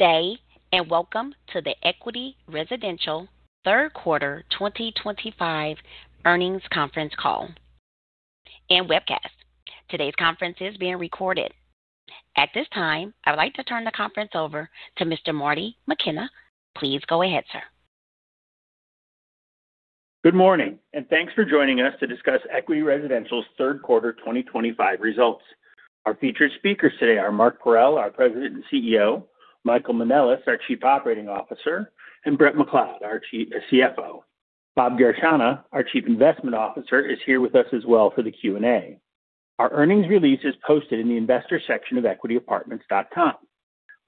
Today, and welcome to the Equity Residential third quarter 2025 earnings conference call and webcast. Today's conference is being recorded. At this time, I would like to turn the conference over to Mr. Marty McKenna. Please go ahead, sir. Good morning, and thanks for joining us to discuss Equity Residential's third quarter 2025 results. Our featured speakers today are Mark Parrell, our President and CEO, Michael Manelis, our Chief Operating Officer, and Bret McLeod, our CFO. Bob Garechana, our Chief Investment Officer, is here with us as well for the Q&A. Our earnings release is posted in the investor section of equityapartments.com.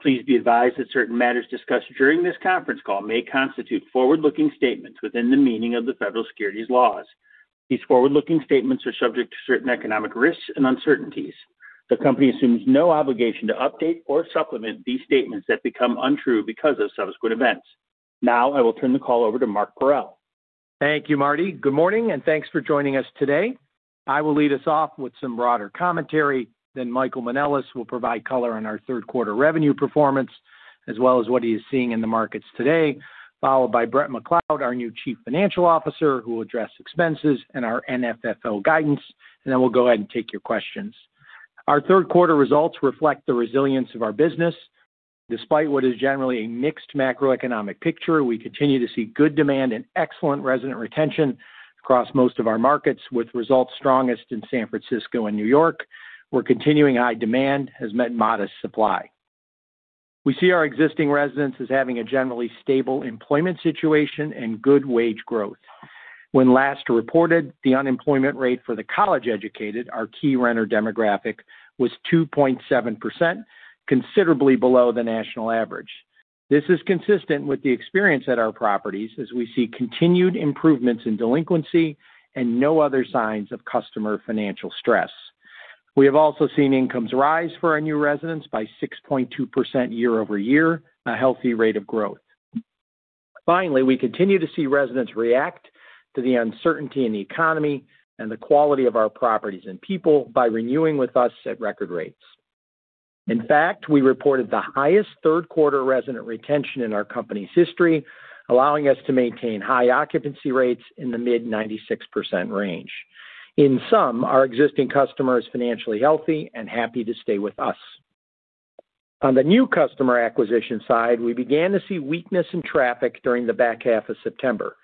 Please be advised that certain matters discussed during this conference call may constitute forward-looking statements within the meaning of the federal securities laws. These forward-looking statements are subject to certain economic risks and uncertainties. The company assumes no obligation to update or supplement these statements that become untrue because of subsequent events. Now, I will turn the call over to Mark Parrell. Thank you, Marty. Good morning, and thanks for joining us today. I will lead us off with some broader commentary. Michael Manelis will provide color on our third quarter revenue performance, as well as what he is seeing in the markets today, followed by Bret McLeod, our new Chief Financial Officer, who will address expenses and our NFFO guidance. We'll go ahead and take your questions. Our third quarter results reflect the resilience of our business. Despite what is generally a mixed macroeconomic picture, we continue to see good demand and excellent resident retention across most of our markets, with results strongest in San Francisco and New York where continuing high demand has met modest supply. We see our existing residents as having a generally stable employment situation and good wage growth. When last reported, the unemployment rate for the college-educated, our key renter demographic, was 2.7%, considerably below the national average. This is consistent with the experience at our properties, as we see continued improvements in delinquency and no other signs of customer financial stress. We have also seen incomes rise for our new residents by 6.2% year-over-year, a healthy rate of growth. Finally, we continue to see residents react to the uncertainty in the economy and the quality of our properties and people by renewing with us at record rates. In fact, we reported the highest third quarter resident retention in our company's history, allowing us to maintain high occupancy rates in the mid-96% range. In sum, our existing customer is financially healthy and happy to stay with us. On the new customer acquisition side, we began to see weakness in traffic during the back half of September.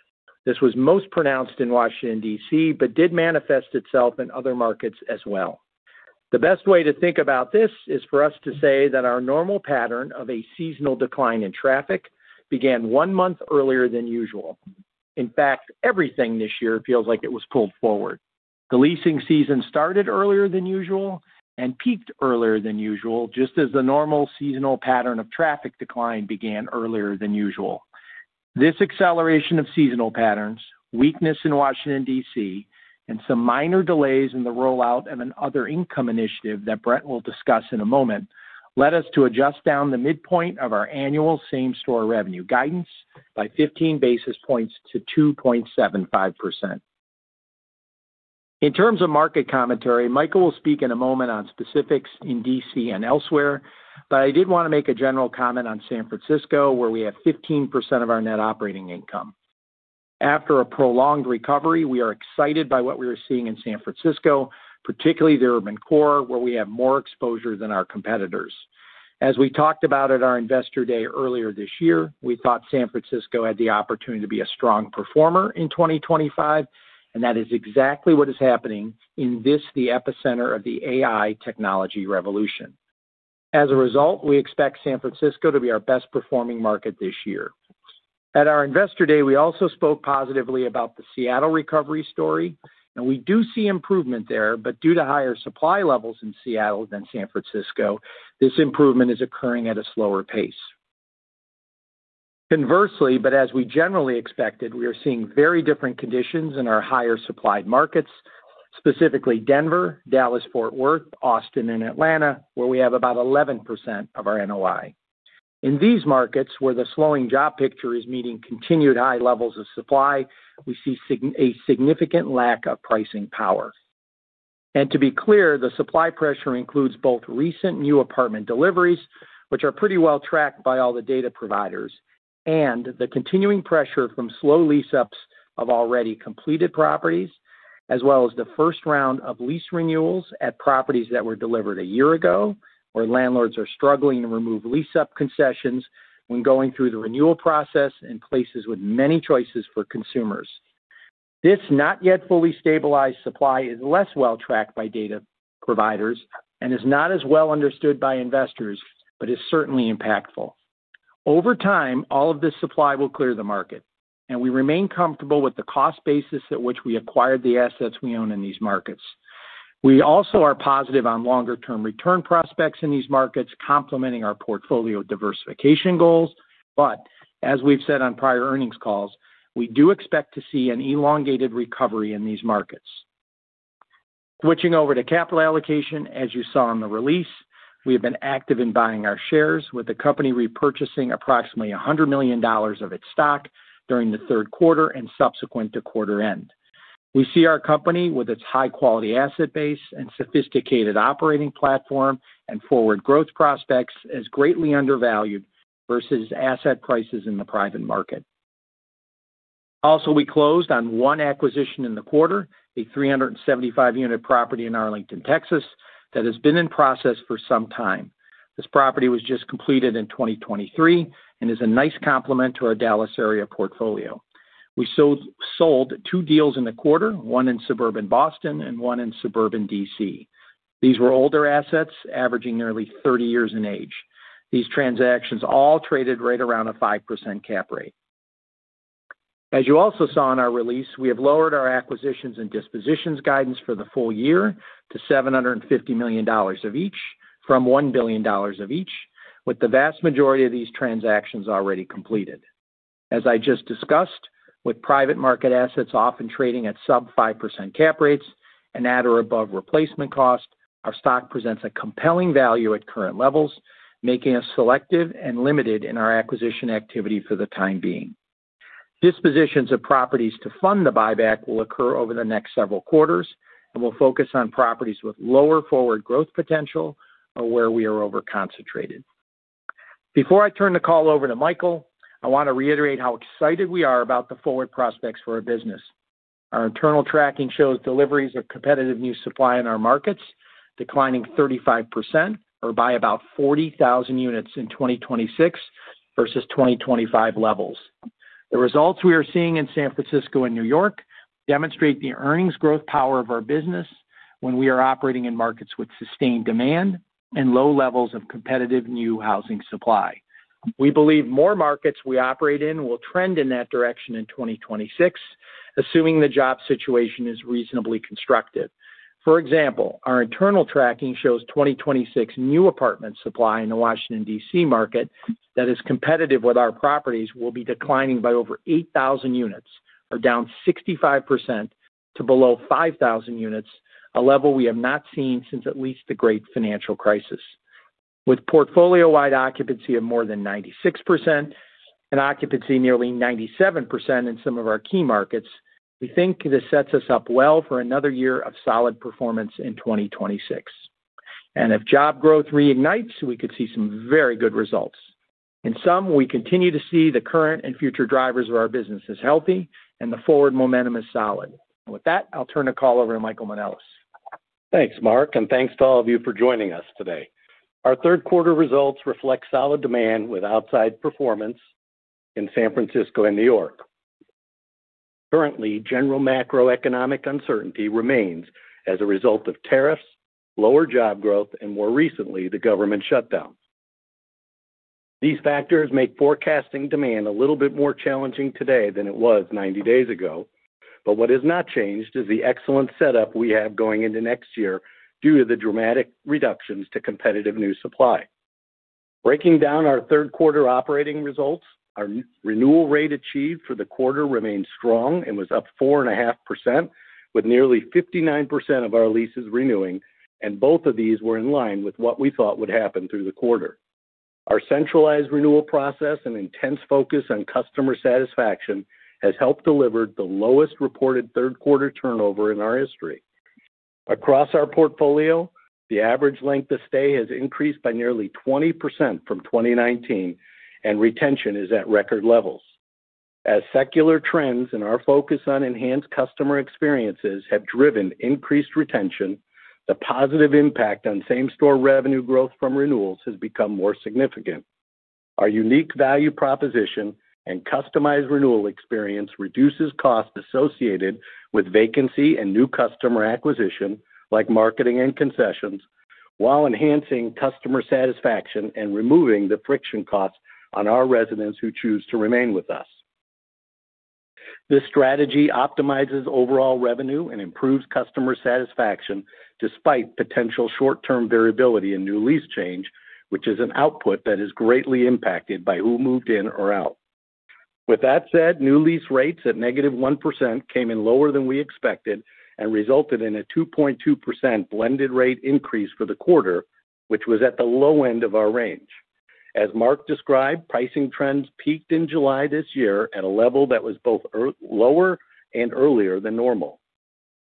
This was most pronounced in Washington, DC, but did manifest itself in other markets as well. The best way to think about this is for us to say that our normal pattern of a seasonal decline in traffic began one month earlier than usual. Everything this year feels like it was pulled forward. The leasing season started earlier than usual and peaked earlier than usual, just as the normal seasonal pattern of traffic decline began earlier than usual. This acceleration of seasonal patterns, weakness in Washington, DC, and some minor delays in the rollout of another income initiative that Bret will discuss in a moment led us to adjust down the midpoint of our annual same-store revenue guidance by 15 basis points to 2.75%. In terms of market commentary, Michael will speak in a moment on specifics in DC and elsewhere, but I did want to make a general comment on San Francisco, where we have 15% of our net operating income. After a prolonged recovery, we are excited by what we are seeing in San Francisco, particularly the urban core, where we have more exposure than our competitors. As we talked about at our Investor Day earlier this year, we thought San Francisco had the opportunity to be a strong performer in 2025, and that is exactly what is happening in this, the epicenter of the AI technology revolution. As a result, we expect San Francisco to be our best-performing market this year. At our Investor Day, we also spoke positively about the Seattle recovery story, and we do see improvement there, but due to higher supply levels in Seattle than San Francisco, this improvement is occurring at a slower pace. Conversely, as we generally expected, we are seeing very different conditions in our higher supplied markets, specifically Denver, Dallas, Austin, and Atlanta, where we have about 11% of our NOI. In these markets, where the slowing job picture is meeting continued high levels of supply, we see a significant lack of pricing power. To be clear, the supply pressure includes both recent new apartment deliveries, which are pretty well tracked by all the data providers, and the continuing pressure from slow lease-ups of already completed properties, as well as the first round of lease renewals at properties that were delivered a year ago, where landlords are struggling to remove lease-up concessions when going through the renewal process in places with many choices for consumers. This not yet fully stabilized supply is less well tracked by data providers and is not as well understood by investors, but is certainly impactful. Over time, all of this supply will clear the market, and we remain comfortable with the cost basis at which we acquired the assets we own in these markets. We also are positive on longer-term return prospects in these markets, complementing our portfolio diversification goals. As we've said on prior earnings calls, we do expect to see an elongated recovery in these markets. Switching over to capital allocation, as you saw in the release, we have been active in buying our shares, with the company repurchasing approximately $100 million of its stock during the third quarter and subsequent to quarter end. We see our company, with its high-quality asset base and sophisticated operating platform and forward growth prospects, as greatly undervalued versus asset prices in the private market. Also, we closed on one acquisition in the quarter, a 375-unit property in Arlington, Texas, that has been in process for some time. This property was just completed in 2023 and is a nice complement to our Dallas area portfolio. We sold two deals in the quarter, one in suburban Boston and one in suburban DC. These were older assets, averaging nearly 30 years in age. These transactions all traded right around a 5% cap rate. As you also saw in our release, we have lowered our acquisitions and dispositions guidance for the full year to $750 million of each, from $1 billion of each, with the vast majority of these transactions already completed. As I just discussed, with private market assets often trading at sub-5% cap rates and at or above replacement cost, our stock presents a compelling value at current levels, making us selective and limited in our acquisition activity for the time being. Dispositions of properties to fund the buyback will occur over the next several quarters and will focus on properties with lower forward growth potential or where we are overconcentrated. Before I turn the call over to Michael, I want to reiterate how excited we are about the forward prospects for our business. Our internal tracking shows deliveries of competitive new supply in our markets declining 35% or by about 40,000 units in 2026 versus 2025 levels. The results we are seeing in San Francisco and New York demonstrate the earnings growth power of our business when we are operating in markets with sustained demand and low levels of competitive new housing supply. We believe more markets we operate in will trend in that direction in 2026, assuming the job situation is reasonably constructive. For example, our internal tracking shows 2026 new apartment supply in the Washington, DC market that is competitive with our properties will be declining by over 8,000 units or down 65% to below 5,000 units, a level we have not seen since at least the Great Financial Crisis. With portfolio-wide occupancy of more than 96% and occupancy nearly 97% in some of our key markets, we think this sets us up well for another year of solid performance in 2026. If job growth reignites, we could see some very good results. In sum, we continue to see the current and future drivers of our business as healthy and the forward momentum is solid. With that, I'll turn the call over to Michael Manelis. Thanks, Mark, and thanks to all of you for joining us today. Our third quarter results reflect solid demand with outside performance in San Francisco and New York. Currently, general macroeconomic uncertainty remains as a result of tariffs, lower job growth, and more recently, the government shutdown. These factors make forecasting demand a little bit more challenging today than it was 90 days ago, but what has not changed is the excellent setup we have going into next year due to the dramatic reductions to competitive new supply. Breaking down our third quarter operating results, our renewal rate achieved for the quarter remains strong and was up 4.5%, with nearly 59% of our leases renewing, and both of these were in line with what we thought would happen through the quarter. Our centralized renewal process and intense focus on customer satisfaction has helped deliver the lowest reported third quarter turnover in our history. Across our portfolio, the average length of stay has increased by nearly 20% from 2019, and retention is at record levels. As secular trends and our focus on enhanced customer experiences have driven increased retention, the positive impact on same-store revenue growth from renewals has become more significant. Our unique value proposition and customized renewal experience reduces costs associated with vacancy and new customer acquisition, like marketing and concessions, while enhancing customer satisfaction and removing the friction costs on our residents who choose to remain with us. This strategy optimizes overall revenue and improves customer satisfaction despite potential short-term variability in new lease change, which is an output that is greatly impacted by who moved in or out. With that said, new lease rates at -1% came in lower than we expected and resulted in a 2.2% blended rate increase for the quarter, which was at the low end of our range. As Mark described, pricing trends peaked in July this year at a level that was both lower and earlier than normal.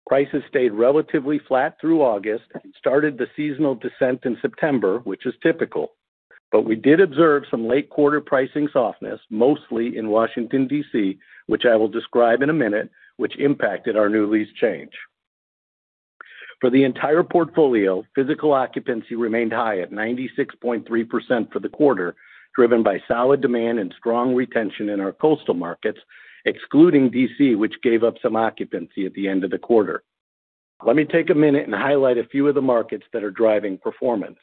Prices stayed relatively flat through August and started the seasonal descent in September, which is typical. We did observe some late quarter pricing softness, mostly in Washington, DC, which I will describe in a minute, which impacted our new lease change. For the entire portfolio, physical occupancy remained high at 96.3% for the quarter, driven by solid demand and strong retention in our coastal markets, excluding DC, which gave up some occupancy at the end of the quarter. Let me take a minute and highlight a few of the markets that are driving performance.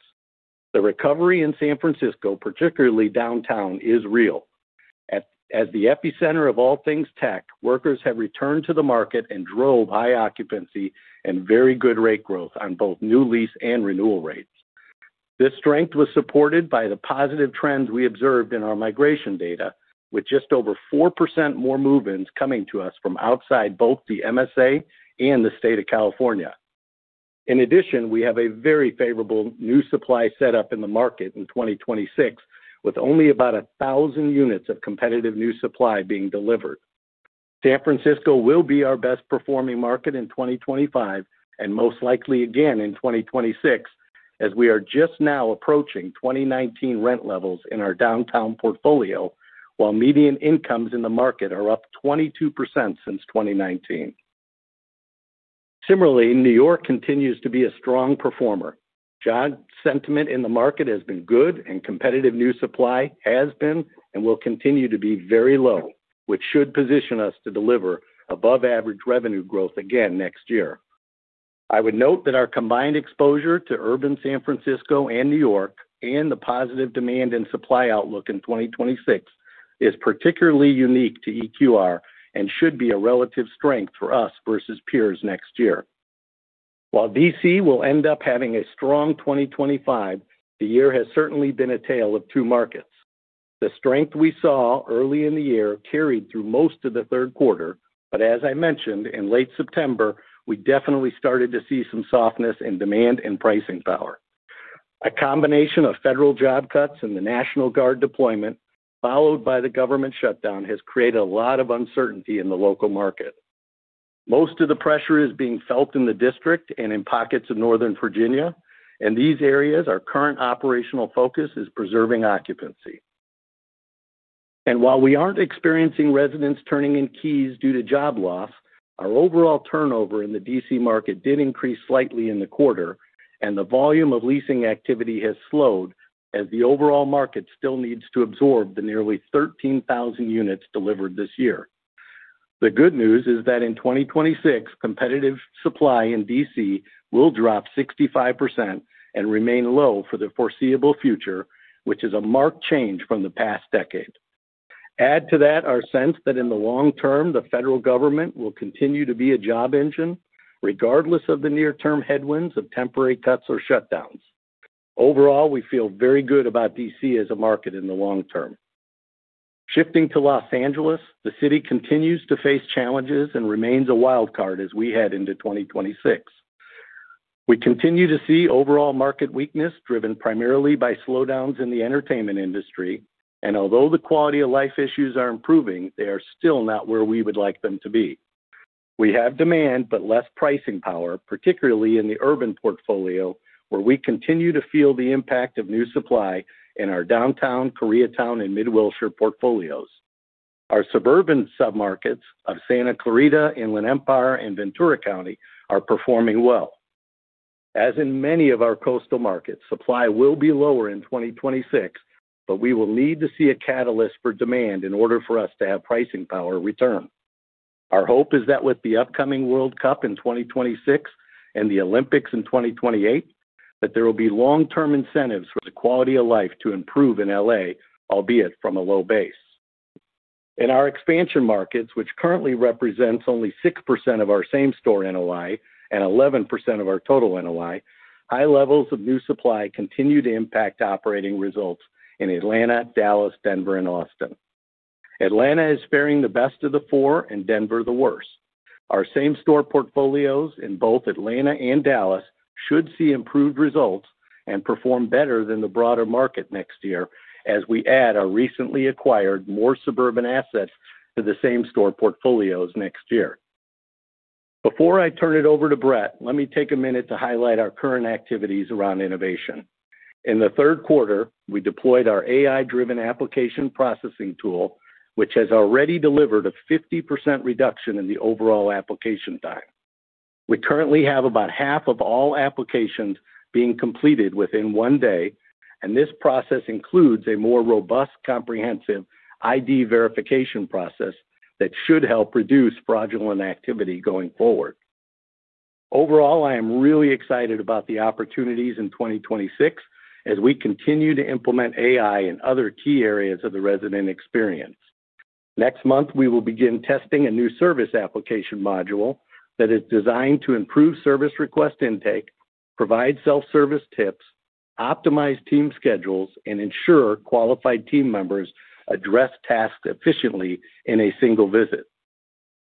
The recovery in San Francisco, particularly downtown, is real. As the epicenter of all things tech, workers have returned to the market and drove high occupancy and very good rate growth on both new lease and renewal rates. This strength was supported by the positive trends we observed in our migration data, with just over 4% more move-ins coming to us from outside both the MSA and the state of California. In addition, we have a very favorable new supply setup in the market in 2026, with only about 1,000 units of competitive new supply being delivered. San Francisco will be our best-performing market in 2025 and most likely again in 2026, as we are just now approaching 2019 rent levels in our downtown portfolio, while median incomes in the market are up 22% since 2019. Similarly, New York continues to be a strong performer. Job sentiment in the market has been good, and competitive new supply has been and will continue to be very low, which should position us to deliver above-average revenue growth again next year. I would note that our combined exposure to urban San Francisco and New York and the positive demand and supply outlook in 2026 is particularly unique to EQR and should be a relative strength for us versus peers next year. While DC will end up having a strong 2025, the year has certainly been a tale of two markets. The strength we saw early in the year carried through most of the third quarter, but as I mentioned, in late September, we definitely started to see some softness in demand and pricing power. A combination of federal job cuts and the National Guard deployment, followed by the government shutdown, has created a lot of uncertainty in the local market. Most of the pressure is being felt in the district and in pockets of Northern Virginia, and in these areas, our current operational focus is preserving occupancy. While we aren't experiencing residents turning in keys due to job loss, our overall turnover in the DC market did increase slightly in the quarter, and the volume of leasing activity has slowed as the overall market still needs to absorb the nearly 13,000 units delivered this year. The good news is that in 2026, competitive supply in DC will drop 65% and remain low for the foreseeable future, which is a marked change from the past decade. Add to that our sense that in the long term, the federal government will continue to be a job engine, regardless of the near-term headwinds of temporary cuts or shutdowns. Overall, we feel very good about DC as a market in the long term. Shifting to Los Angeles, the city continues to face challenges and remains a wildcard as we head into 2026. We continue to see overall market weakness driven primarily by slowdowns in the entertainment industry, and although the quality of life issues are improving, they are still not where we would like them to be. We have demand, but less pricing power, particularly in the urban portfolio, where we continue to feel the impact of new supply in our downtown, Koreatown, and Midwilshire portfolios. Our suburban submarkets of Santa Clarita, Inland Empire, and Ventura County are performing well. As in many of our coastal markets, supply will be lower in 2026, but we will need to see a catalyst for demand in order for us to have pricing power return. Our hope is that with the upcoming World Cup in 2026 and the Olympics in 2028, there will be long-term incentives for the quality of life to improve in LA, albeit from a low base. In our expansion markets, which currently represent only 6% of our same-store NOI and 11% of our total NOI, high levels of new supply continue to impact operating results in Atlanta, Dallas, Denver, and Austin. Atlanta is faring the best of the four, and Denver the worst. Our same-store portfolios in both Atlanta and Dallas should see improved results and perform better than the broader market next year as we add our recently acquired more suburban assets to the same-store portfolios next year. Before I turn it over to Bret, let me take a minute to highlight our current activities around innovation. In the third quarter, we deployed our AI-driven application processing tool, which has already delivered a 50% reduction in the overall application time. We currently have about half of all applications being completed within one day, and this process includes a more robust, comprehensive ID verification process that should help reduce fraudulent activity going forward. Overall, I am really excited about the opportunities in 2026 as we continue to implement AI in other key areas of the resident experience. Next month, we will begin testing a new service request module that is designed to improve service request intake, provide self-service tips, optimize team schedules, and ensure qualified team members address tasks efficiently in a single visit.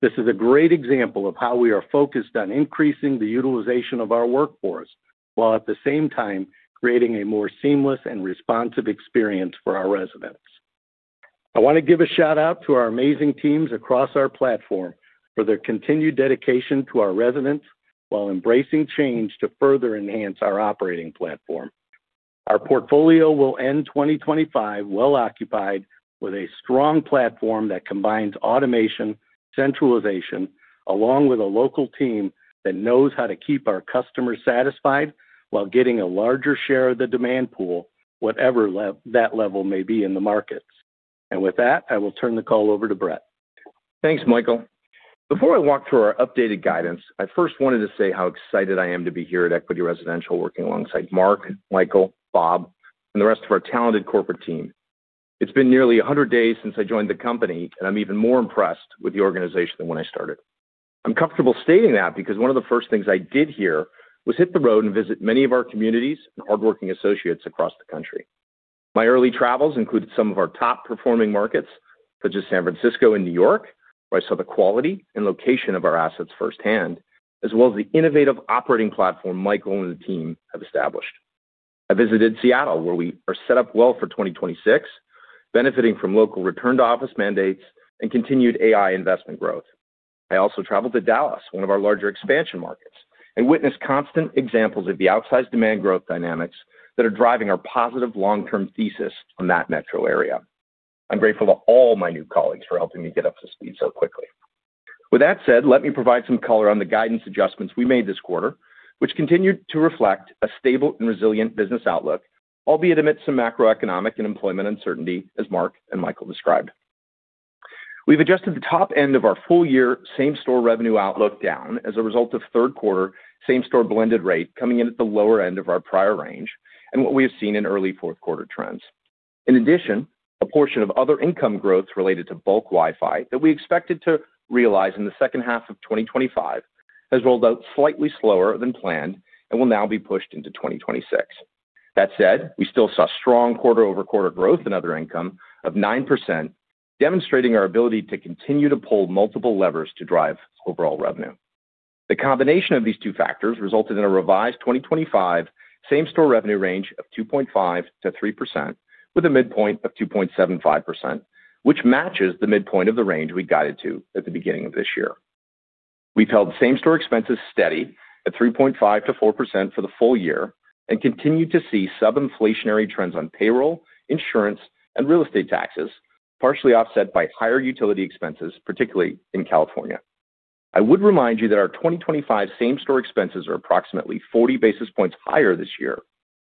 This is a great example of how we are focused on increasing the utilization of our workforce, while at the same time creating a more seamless and responsive experience for our residents. I want to give a shout out to our amazing teams across our platform for their continued dedication to our residents while embracing change to further enhance our operating platform. Our portfolio will end 2025 well-occupied with a strong platform that combines automation, centralization, along with a local team that knows how to keep our customers satisfied while getting a larger share of the demand pool, whatever that level may be in the markets. I will turn the call over to Bret. Thanks, Michael. Before I walk through our updated guidance, I first wanted to say how excited I am to be here at Equity Residential, working alongside Mark, Michael, Bob, and the rest of our talented corporate team. It's been nearly 100 days since I joined the company, and I'm even more impressed with the organization than when I started. I'm comfortable stating that because one of the first things I did here was hit the road and visit many of our communities and hardworking associates across the country. My early travels included some of our top-performing markets, such as San Francisco and New York, where I saw the quality and location of our assets firsthand, as well as the innovative operating platform Michael and the team have established. I visited Seattle, where we are set up well for 2026, benefiting from local return-to-office mandates and continued AI investment growth. I also traveled to Dallas, one of our larger expansion markets, and witnessed constant examples of the outsized demand growth dynamics that are driving our positive long-term thesis on that metro area. I'm grateful to all my new colleagues for helping me get up to speed so quickly. With that said, let me provide some color on the guidance adjustments we made this quarter, which continued to reflect a stable and resilient business outlook, albeit amidst some macroeconomic and employment uncertainty, as Mark and Michael described. We've adjusted the top end of our full-year same-store revenue outlook down as a result of third quarter same-store blended rate coming in at the lower end of our prior range and what we have seen in early fourth quarter trends. In addition, a portion of other income growth related to bulk Wi-Fi that we expected to realize in the second half of 2025 has rolled out slightly slower than planned and will now be pushed into 2026. That said, we still saw strong quarter-over-quarter growth in other income of 9%, demonstrating our ability to continue to pull multiple levers to drive overall revenue. The combination of these two factors resulted in a revised 2025 same-store revenue range of 2.5%-3%, with a midpoint of 2.75%, which matches the midpoint of the range we guided to at the beginning of this year. We've held same-store expenses steady at 3.5%-4% for the full year and continue to see sub-inflationary trends on payroll, insurance, and real estate taxes, partially offset by higher utility expenses, particularly in California. I would remind you that our 2025 same-store expenses are approximately 40 basis points higher this year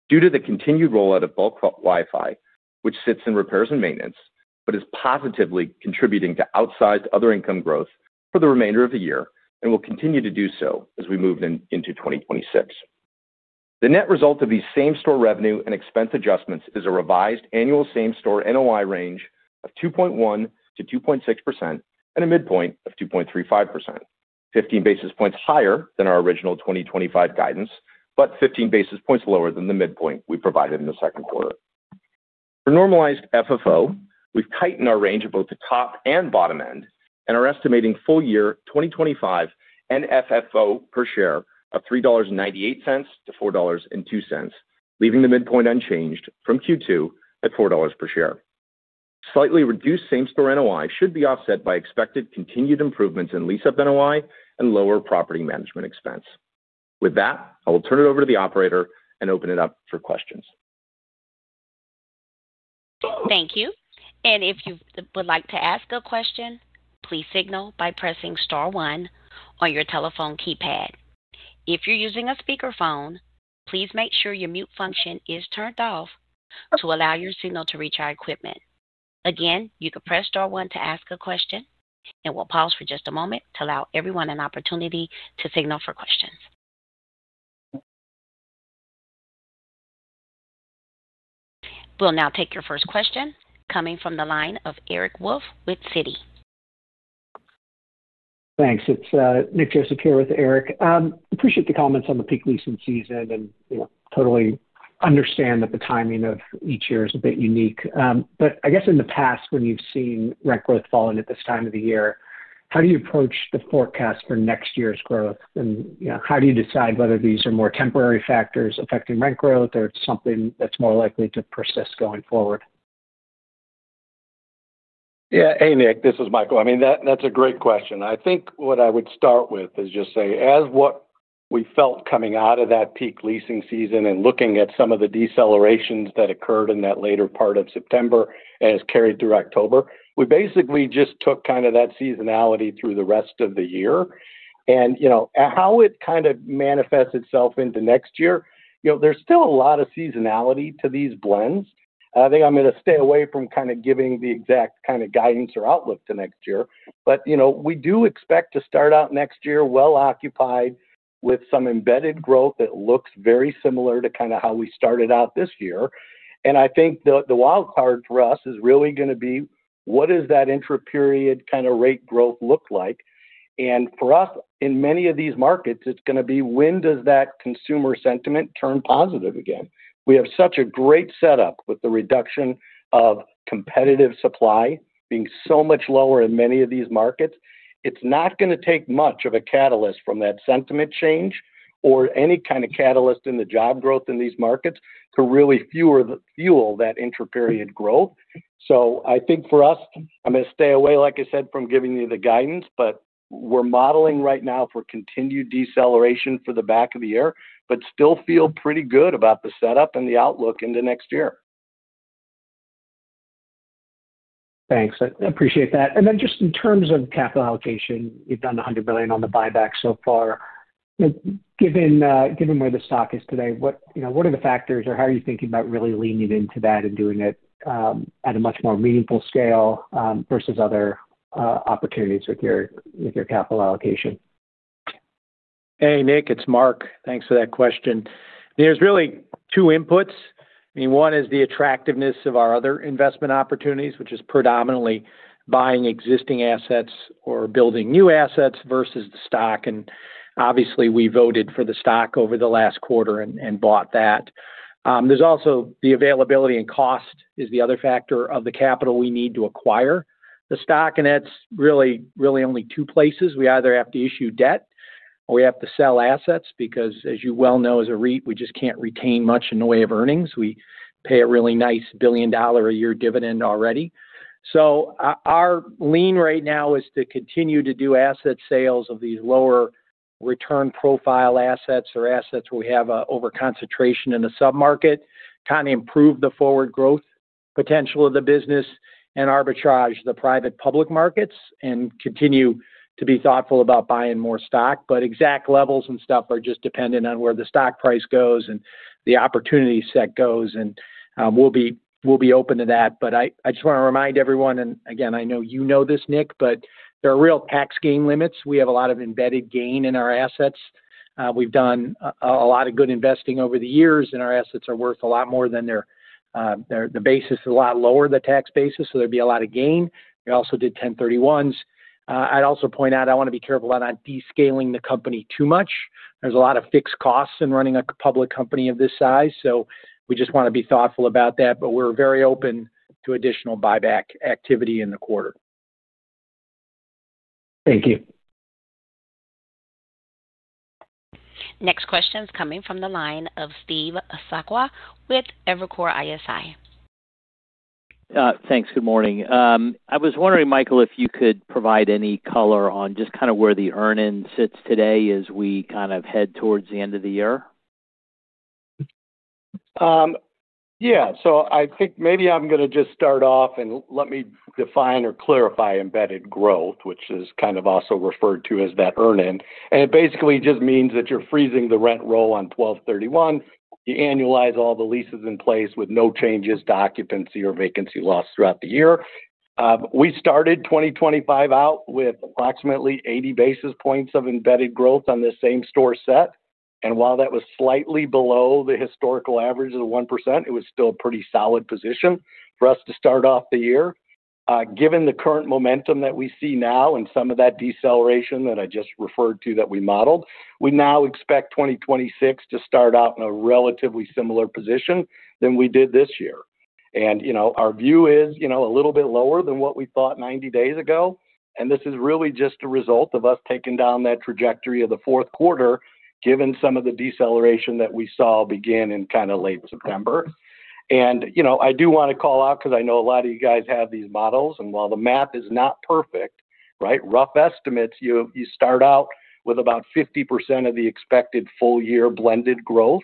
due to the continued rollout of bulk Wi-Fi, which sits in repairs and maintenance, but is positively contributing to outsized other income growth for the remainder of the year and will continue to do so as we move into 2026. The net result of these same-store revenue and expense adjustments is a revised annual same-store NOI range of 2.1%-2.6% and a midpoint of 2.35%, 15 basis points higher than our original 2025 guidance, but 15 basis points lower than the midpoint we provided in the second quarter. For normalized FFO, we've tightened our range of both the top and bottom end and are estimating full-year 2025 NFFO per share of $3.98-$4.02, leaving the midpoint unchanged from Q2 at $4 per share. Slightly reduced same-store NOI should be offset by expected continued improvements in lease-up NOI and lower property management expense. With that, I will turn it over to the operator and open it up for questions. Thank you. If you would like to ask a question, please signal by pressing star one on your telephone keypad. If you're using a speakerphone, please make sure your mute function is turned off to allow your signal to reach our equipment. Again, you can press star one to ask a question. We'll pause for just a moment to allow everyone an opportunity to signal for questions. We'll now take your first question coming from the line of Eric Wolfe with Citi. Thanks. It's Nick Joseph here with Eric. I appreciate the comments on the peak leasing season and totally understand that the timing of each year is a bit unique. I guess in the past, when you've seen rent growth falling at this time of the year, how do you approach the forecast for next year's growth? How do you decide whether these are more temporary factors affecting rent growth or something that's more likely to persist going forward? Yeah. Hey, Nick. This is Michael. That's a great question. I think what I would start with is just say, as what we felt coming out of that peak leasing season and looking at some of the decelerations that occurred in that later part of September and has carried through October, we basically just took that seasonality through the rest of the year. You know how it kind of manifests itself into next year, there's still a lot of seasonality to these blends. I think I'm going to stay away from giving the exact guidance or outlook to next year. We do expect to start out next year well-occupied with some embedded growth that looks very similar to how we started out this year. I think the wildcard for us is really going to be what does that intra-period rate growth look like? For us, in many of these markets, it's going to be when does that consumer sentiment turn positive again? We have such a great setup with the reduction of competitive supply being so much lower in many of these markets. It's not going to take much of a catalyst from that sentiment change or any catalyst in the job growth in these markets to really fuel that intra-period growth. I think for us, I'm going to stay away, like I said, from giving you the guidance, but we're modeling right now for continued deceleration for the back of the year, but still feel pretty good about the setup and the outlook into next year. Thanks. I appreciate that. In terms of capital allocation, you've done $100 million on the buyback so far. Given where the stock is today, what are the factors or how are you thinking about really leaning into that and doing it at a much more meaningful scale versus other opportunities with your capital allocation? Hey, Nick. It's Mark. Thanks for that question. There's really two inputs. One is the attractiveness of our other investment opportunities, which is predominantly buying existing assets or building new assets versus the stock. Obviously, we voted for the stock over the last quarter and bought that. There's also the availability and cost is the other factor of the capital we need to acquire the stock. That's really, really only two places. We either have to issue debt or we have to sell assets because, as you well know, as a REIT, we just can't retain much in the way of earnings. We pay a really nice $1 billion-a-year dividend already. Our lean right now is to continue to do asset sales of these lower return profile assets or assets where we have an overconcentration in the submarket, kind of improve the forward growth potential of the business, and arbitrage the private-public markets and continue to be thoughtful about buying more stock. Exact levels and stuff are just dependent on where the stock price goes and the opportunity set goes. We'll be open to that. I just want to remind everyone, and again, I know you know this, Nick, but there are real tax gain limits. We have a lot of embedded gain in our assets. We've done a lot of good investing over the years, and our assets are worth a lot more than their basis is a lot lower than the tax basis, so there'd be a lot of gain. We also did 1031s. I'd also point out I want to be careful about not descaling the company too much. There's a lot of fixed costs in running a public company of this size, so we just want to be thoughtful about that. We're very open to additional buyback activity in the quarter. Thank you. Next question is coming from the line of Steve Sakwa with Evercore ISI. Thanks. Good morning. I was wondering, Michael, if you could provide any color on just kind of where the earn-in sits today as we kind of head towards the end of the year. Yeah. I think maybe I'm going to just start off and let me define or clarify embedded growth, which is kind of also referred to as that earn-in. It basically just means that you're freezing the rent roll on 1231. You annualize all the leases in place with no changes to occupancy or vacancy loss throughout the year. We started 2025 out with approximately 80 basis points of embedded growth on this same-store set. While that was slightly below the historical average of 1%, it was still a pretty solid position for us to start off the year. Given the current momentum that we see now and some of that deceleration that I just referred to that we modeled, we now expect 2026 to start out in a relatively similar position than we did this year. Our view is a little bit lower than what we thought 90 days ago. This is really just a result of us taking down that trajectory of the fourth quarter, given some of the deceleration that we saw begin in kind of late September. I do want to call out because I know a lot of you guys have these models. While the math is not perfect, right, rough estimates, you start out with about 50% of the expected full-year blended growth.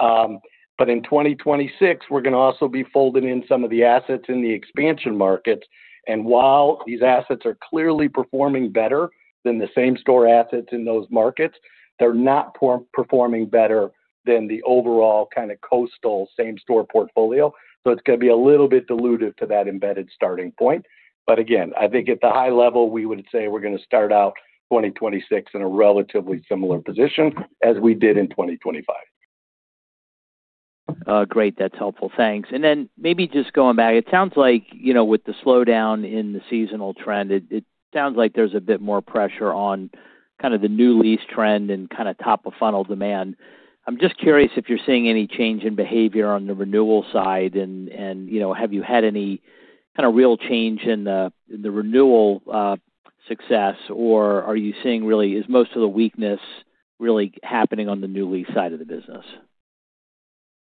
In 2026, we're going to also be folding in some of the assets in the expansion markets. While these assets are clearly performing better than the same-store assets in those markets, they're not performing better than the overall kind of coastal same-store portfolio. It's going to be a little bit diluted to that embedded starting point. Again, I think at the high level, we would say we're going to start out 2026 in a relatively similar position as we did in 2025. Great. That's helpful. Thanks. Maybe just going back, it sounds like with the slowdown in the seasonal trend, there's a bit more pressure on the new lease trend and top-of-funnel demand. I'm just curious if you're seeing any change in behavior on the renewal side. Have you had any real change in the renewal success, or is most of the weakness really happening on the new lease side of the business?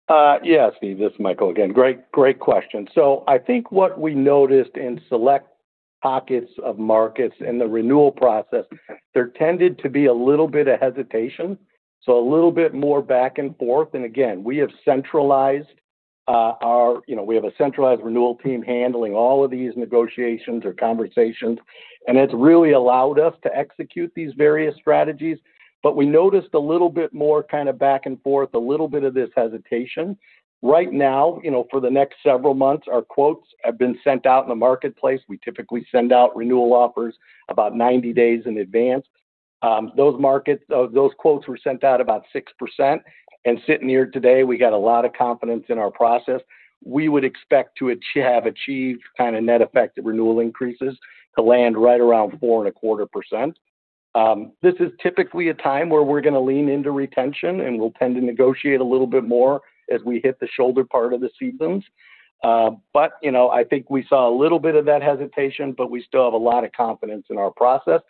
Yeah, Steve. This is Michael again. Great question. I think what we noticed in select pockets of markets in the renewal process, there tended to be a little bit of hesitation, a little bit more back and forth. We have centralized our, you know, we have a centralized renewal team handling all of these negotiations or conversations. It's really allowed us to execute these various strategies. We noticed a little bit more kind of back and forth, a little bit of this hesitation. Right now, for the next several months, our quotes have been sent out in the marketplace. We typically send out renewal offers about 90 days in advance. Those markets, those quotes were sent out about 6%. Sitting here today, we had a lot of confidence in our process. We would expect to have achieved kind of net effective renewal increases to land right around 4.25%. This is typically a time where we're going to lean into retention, and we'll tend to negotiate a little bit more as we hit the shoulder part of the seasons. I think we saw a little bit of that hesitation, but we still have a lot of confidence in our process.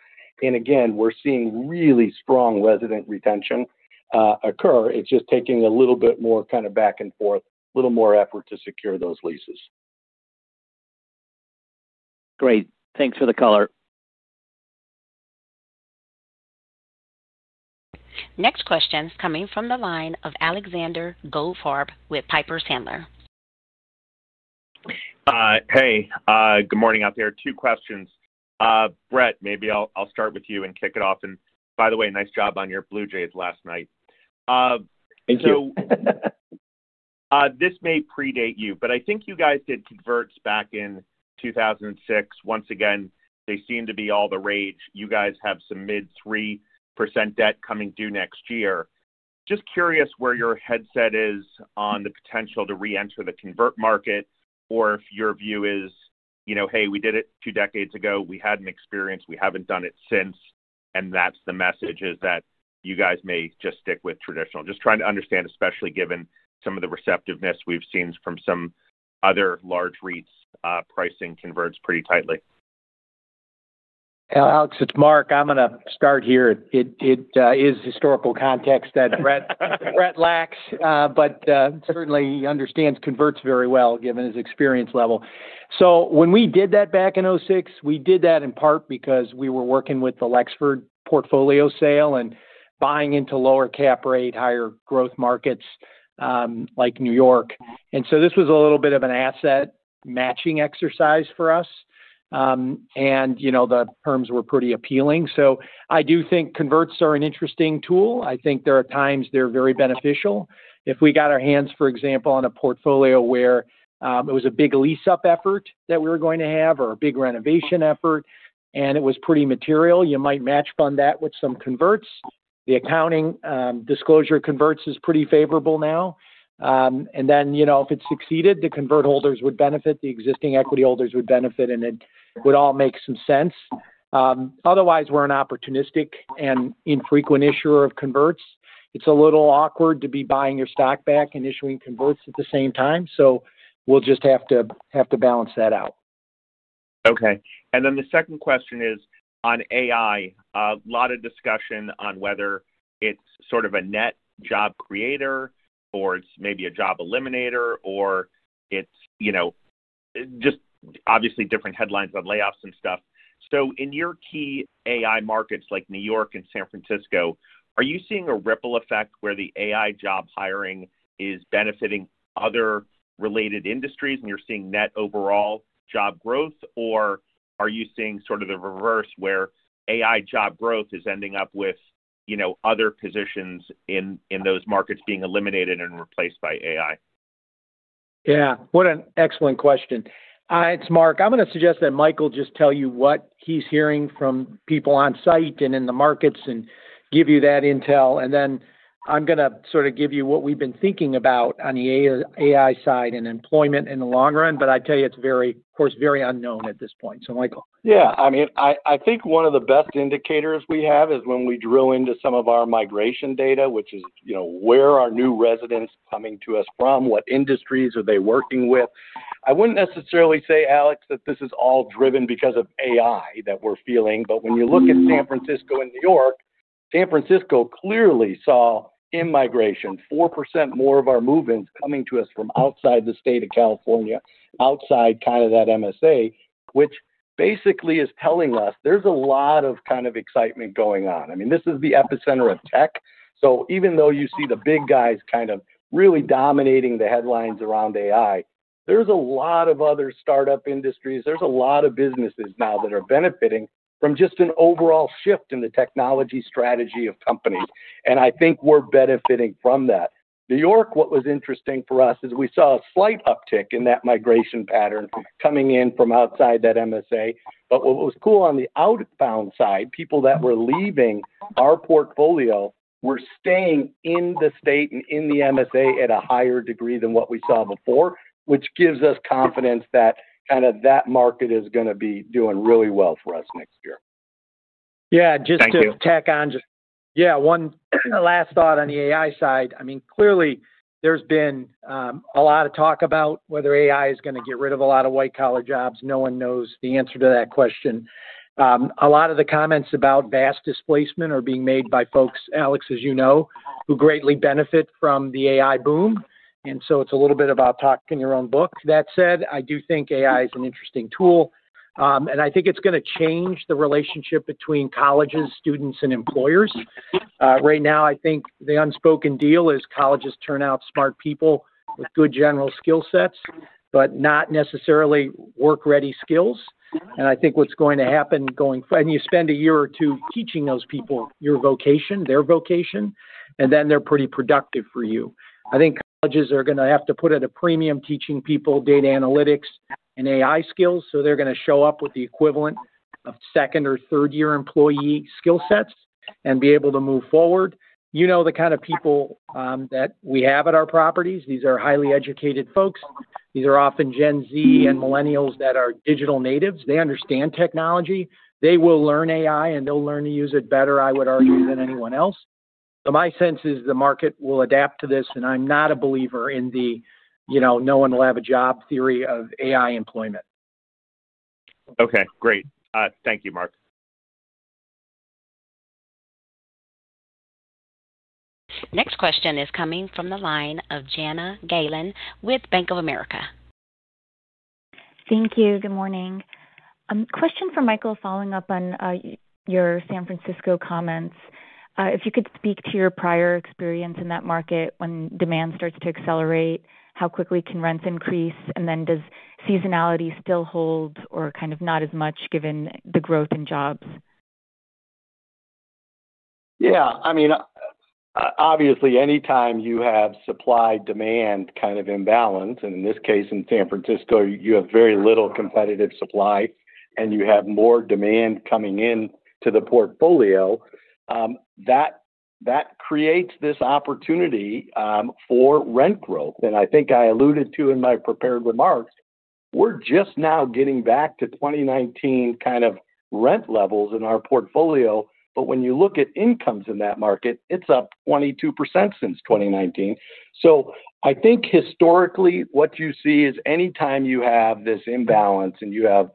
We're seeing really strong resident retention occur. It's just taking a little bit more kind of back and forth, a little more effort to secure those leases. Great. Thanks for the color. Next question is coming from the line of Alexander Goldfarb with Piper Sandler. Hey. Good morning out there. Two questions. Bret, maybe I'll start with you and kick it off. By the way, nice job on your Blue Jays last night. Thank you. This may predate you, but I think you guys did converts back in 2006. Once again, they seem to be all the rage. You guys have some mid-3% debt coming due next year. Just curious where your headset is on the potential to reenter the convert market or if your view is, you know, hey, we did it two decades ago. We had an experience. We haven't done it since. That's the message, that you guys may just stick with traditional. Just trying to understand, especially given some of the receptiveness we've seen from some other large REITs, pricing converts pretty tightly. Alex, it's Mark. I'm going to start here. It is historical context that Bret lacks, but certainly he understands converts very well given his experience level. When we did that back in 2006, we did that in part because we were working with the Lexford portfolio sale and buying into lower cap rate, higher growth markets like New York. This was a little bit of an asset matching exercise for us, and the terms were pretty appealing. I do think converts are an interesting tool. I think there are times they're very beneficial. If we got our hands, for example, on a portfolio where it was a big lease-up effort that we were going to have or a big renovation effort, and it was pretty material, you might match fund that with some converts. The accounting disclosure of converts is pretty favorable now. If it succeeded, the convert holders would benefit, the existing equity holders would benefit, and it would all make some sense. Otherwise, we're an opportunistic and infrequent issuer of converts. It's a little awkward to be buying your stock back and issuing converts at the same time. We'll just have to balance that out. Okay. The second question is on AI. There is a lot of discussion on whether it's sort of a net job creator or it's maybe a job eliminator or it's just obviously different headlines on layoffs and stuff. In your key AI markets like New York and San Francisco, are you seeing a ripple effect where the AI job hiring is benefiting other related industries and you're seeing net overall job growth, or are you seeing sort of the reverse where AI job growth is ending up with other positions in those markets being eliminated and replaced by AI? Yeah. What an excellent question. It's Mark. I'm going to suggest that Michael just tell you what he's hearing from people on site and in the markets and give you that intel. I'm going to sort of give you what we've been thinking about on the AI side and employment in the long run. I tell you, it's very, of course, very unknown at this point. Michael. Yeah. I mean, I think one of the best indicators we have is when we drill into some of our migration data, which is, you know, where are new residents coming to us from? What industries are they working with? I wouldn't necessarily say, Alex, that this is all driven because of AI that we're feeling. When you look at San Francisco and New York, San Francisco clearly saw in migration 4% more of our move-ins coming to us from outside the state of California, outside kind of that MSA, which basically is telling us there's a lot of kind of excitement going on. I mean, this is the epicenter of tech. Even though you see the big guys kind of really dominating the headlines around AI, there's a lot of other startup industries. There's a lot of businesses now that are benefiting from just an overall shift in the technology strategy of companies. I think we're benefiting from that. New York, what was interesting for us is we saw a slight uptick in that migration pattern coming in from outside that MSA. What was cool on the outbound side, people that were leaving our portfolio were staying in the state and in the MSA at a higher degree than what we saw before, which gives us confidence that kind of that market is going to be doing really well for us next year. Yeah. Just to tack on, one last thought on the AI side. I mean, clearly, there's been a lot of talk about whether AI is going to get rid of a lot of white-collar jobs. No one knows the answer to that question. A lot of the comments about vast displacement are being made by folks, Alex, as you know, who greatly benefit from the AI boom. It's a little bit about talking your own book. That said, I do think AI is an interesting tool. I think it's going to change the relationship between colleges, students, and employers. Right now, I think the unspoken deal is colleges turn out smart people with good general skill sets, but not necessarily work-ready skills. I think what's going to happen going forward, you spend a year or two teaching those people your vocation, their vocation, and then they're pretty productive for you. I think colleges are going to have to put at a premium teaching people data analytics and AI skills. They're going to show up with the equivalent of second or third-year employee skill sets and be able to move forward. You know the kind of people that we have at our properties. These are highly educated folks. These are often Gen Z and Millennials that are digital natives. They understand technology. They will learn AI, and they'll learn to use it better, I would argue, than anyone else. My sense is the market will adapt to this. I'm not a believer in the, you know, no one will have a job theory of AI employment. Okay. Great. Thank you, Mark. Next question is coming from the line of Jana Galan with Bank of America. Thank you. Good morning. Question for Michael, following up on your San Francisco comments. If you could speak to your prior experience in that market when demand starts to accelerate, how quickly can rents increase, and then does seasonality still hold or kind of not as much given the growth in jobs? Yeah. I mean, obviously, anytime you have supply-demand kind of imbalance, and in this case, in San Francisco, you have very little competitive supply and you have more demand coming into the portfolio, that creates this opportunity for rent growth. I think I alluded to in my prepared remarks, we're just now getting back to 2019 kind of rent levels in our portfolio. When you look at incomes in that market, it's up 22% since 2019. I think historically, what you see is anytime you have this imbalance and you have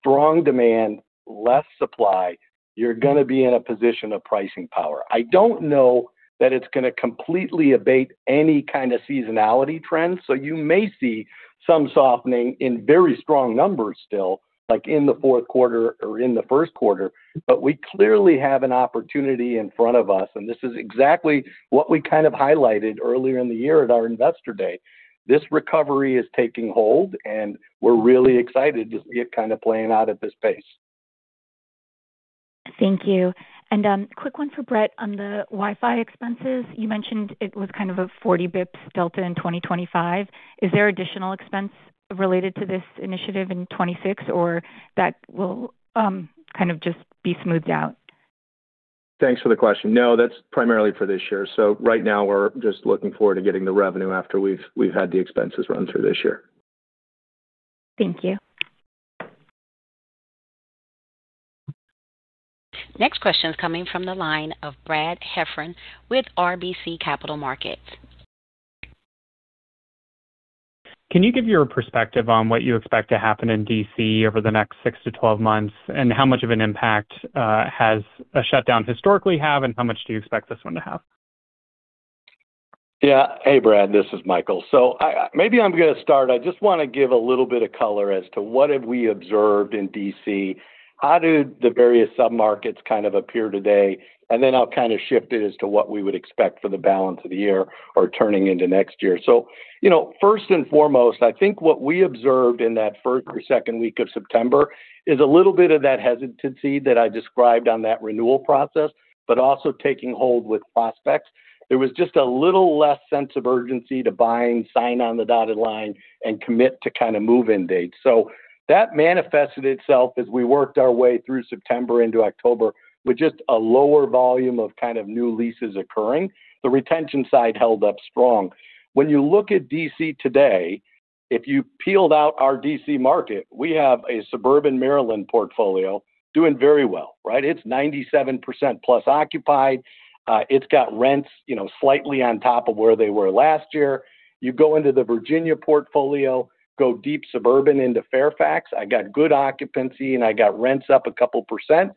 strong demand, less supply, you're going to be in a position of pricing power. I don't know that it's going to completely abate any kind of seasonality trend. You may see some softening in very strong numbers still, like in the fourth quarter or in the first quarter. We clearly have an opportunity in front of us. This is exactly what we kind of highlighted earlier in the year at our Investor Day. This recovery is taking hold, and we're really excited to see it kind of playing out at this pace. Thank you. Quick one for Bret on the Wi-Fi expenses. You mentioned it was kind of a 40 bps delta in 2025. Is there additional expense related to this initiative in 2026, or will that kind of just be smoothed out? Thanks for the question. No, that's primarily for this year. Right now, we're just looking forward to getting the revenue after we've had the expenses run through this year. Thank you. Next question is coming from the line of Brad Heffern with RBC Capital Markets. Can you give your perspective on what you expect to happen in Washington, DC over the next six to 12 months, and how much of an impact has a shutdown historically had, and how much do you expect this one to have? Yeah. Hey, Brad. This is Michael. Maybe I'm going to start. I just want to give a little bit of color as to what have we observed in DC, how do the various submarkets kind of appear today, and then I'll kind of shift it as to what we would expect for the balance of the year or turning into next year. First and foremost, I think what we observed in that first or second week of September is a little bit of that hesitancy that I described on that renewal process, but also taking hold with prospects. There was just a little less sense of urgency to buy and sign on the dotted line and commit to kind of move-in dates. That manifested itself as we worked our way through September into October with just a lower volume of kind of new leases occurring. The retention side held up strong. When you look at DC today, if you peeled out our DC market, we have a suburban Maryland portfolio doing very well, right? It's 97% plus occupied. It's got rents slightly on top of where they were last year. You go into the Virginia portfolio, go deep suburban into Fairfax. I got good occupancy and I got rents up a couple percent.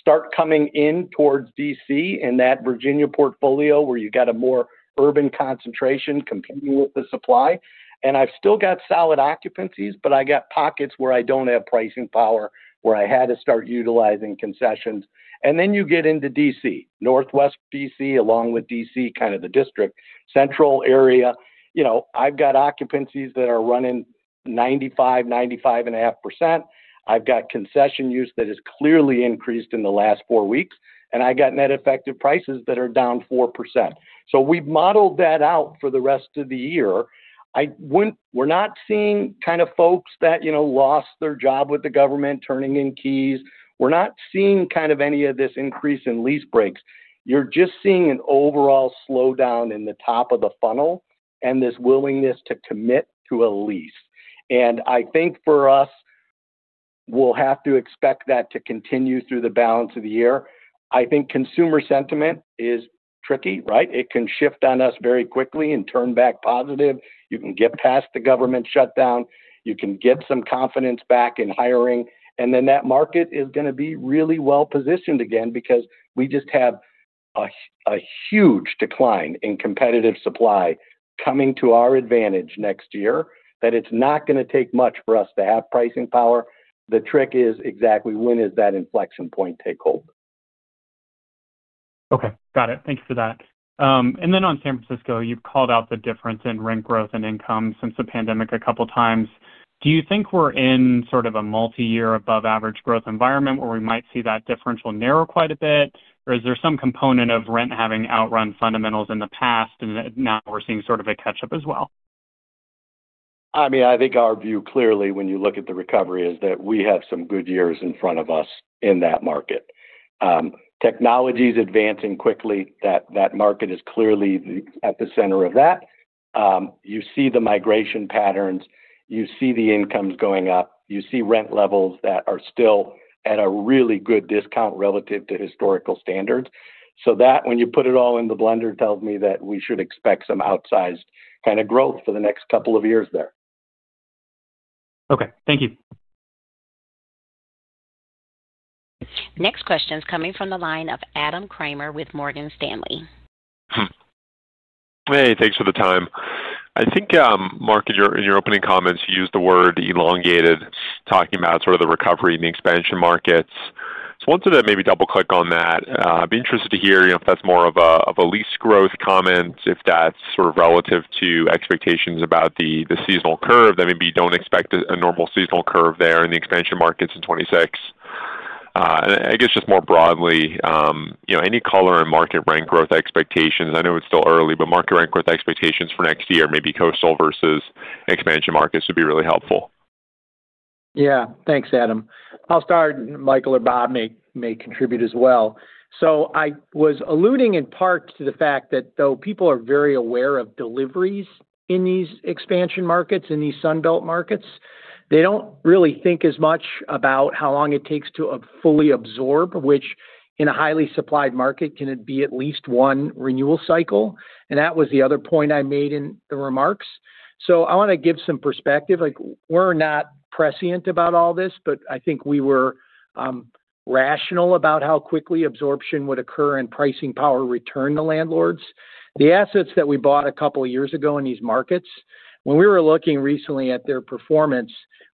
Start coming in towards DC in that Virginia portfolio where you got a more urban concentration competing with the supply. I've still got solid occupancies, but I got pockets where I don't have pricing power, where I had to start utilizing concessions. Then you get into DC, Northwest DC, along with DC, kind of the district central area. I've got occupancies that are running 95%, 95.5%. I've got concession use that has clearly increased in the last four weeks. I got net effective prices that are down 4%. We've modeled that out for the rest of the year. We're not seeing folks that lost their job with the government turning in keys. We're not seeing any of this increase in lease breaks. You're just seeing an overall slowdown in the top of the funnel and this willingness to commit to a lease. I think for us, we'll have to expect that to continue through the balance of the year. I think consumer sentiment is tricky, right? It can shift on us very quickly and turn back positive. You can get past the government shutdown. You can get some confidence back in hiring. That market is going to be really well positioned again because we just have a huge decline in competitive supply coming to our advantage next year that it's not going to take much for us to have pricing power. The trick is exactly when does that inflection point take hold. Okay. Got it. Thanks for that. On San Francisco, you've called out the difference in rent growth and income since the pandemic a couple of times. Do you think we're in sort of a multi-year above-average growth environment where we might see that differential narrow quite a bit, or is there some component of rent having outrun fundamentals in the past and now we're seeing sort of a catch-up as well? I think our view clearly when you look at the recovery is that we have some good years in front of us in that market. Technology is advancing quickly. That market is clearly at the center of that. You see the migration patterns. You see the incomes going up. You see rent levels that are still at a really good discount relative to historical standards. When you put it all in the blender, it tells me that we should expect some outsized kind of growth for the next couple of years there. Okay, thank you. Next question is coming from the line of Adam Kramer with Morgan Stanley. Hey, thanks for the time. I think, Mark, in your opening comments, you used the word elongated, talking about sort of the recovery in the expansion markets. I wanted to maybe double-click on that. I'd be interested to hear if that's more of a lease growth comment, if that's sort of relative to expectations about the seasonal curve, that maybe you don't expect a normal seasonal curve there in the expansion markets in 2026. I guess just more broadly, any color in market rent growth expectations. I know it's still early, but market rent growth expectations for next year, maybe coastal versus expansion markets, would be really helpful. Yeah. Thanks, Adam. I'll start. Michael or Bob may contribute as well. I was alluding in part to the fact that though people are very aware of deliveries in these expansion markets, in these Sun Belt markets, they don't really think as much about how long it takes to fully absorb, which in a highly supplied market can be at least one renewal cycle. That was the other point I made in the remarks. I want to give some perspective. We're not prescient about all this, but I think we were rational about how quickly absorption would occur and pricing power return to landlords. The assets that we bought a couple of years ago in these markets, when we were looking recently at their performance,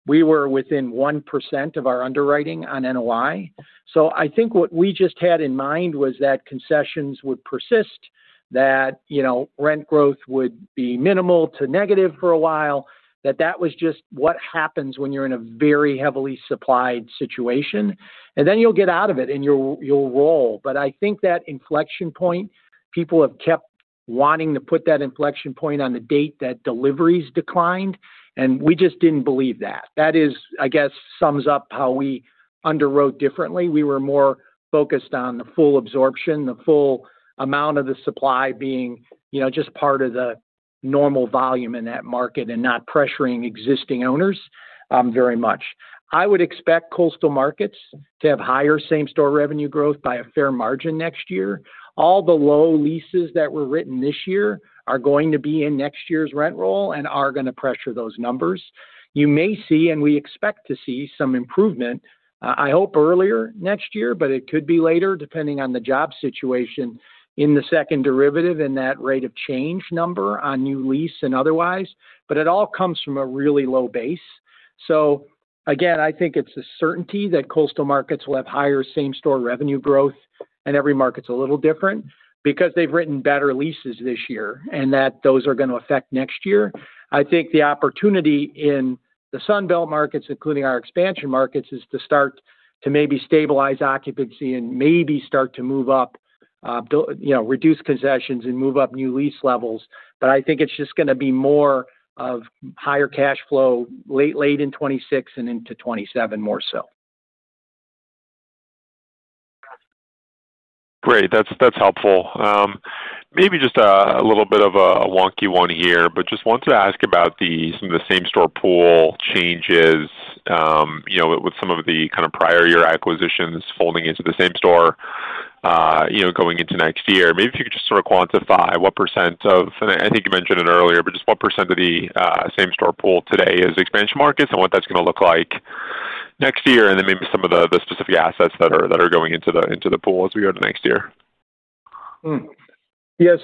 we were within 1% of our underwriting on NOI. I think what we just had in mind was that concessions would persist, that rent growth would be minimal to negative for a while, that that was just what happens when you're in a very heavily supplied situation. You'll get out of it and you'll roll. I think that inflection point, people have kept wanting to put that inflection point on the date that deliveries declined, and we just didn't believe that. That sums up how we underwrote differently. We were more focused on the full absorption, the full amount of the supply being just part of the normal volume in that market and not pressuring existing owners very much. I would expect coastal markets to have higher same-store revenue growth by a fair margin next year. All the low leases that were written this year are going to be in next year's rent roll and are going to pressure those numbers. You may see, and we expect to see some improvement, I hope earlier next year, but it could be later depending on the job situation in the second derivative and that rate of change number on new lease and otherwise. It all comes from a really low base. I think it's a certainty that coastal markets will have higher same-store revenue growth, and every market's a little different because they've written better leases this year and those are going to affect next year. I think the opportunity in the Sun Belt markets, including our expansion markets, is to start to maybe stabilize occupancy and maybe start to move up, reduce concessions and move up new lease levels. I think it's just going to be more of higher cash flow late in 2026 and into 2027 more so. Great. That's helpful. Maybe just a little bit of a wonky one here, but just wanted to ask about some of the same-store pool changes with some of the kind of prior year acquisitions folding into the same store, you know, going into next year. Maybe if you could just sort of quantify what percent of, and I think you mentioned it earlier, but just what percent of the same-store pool today is expansion markets and what that's going to look like next year, and then maybe some of the specific assets that are going into the pool as we go to next year. Yeah.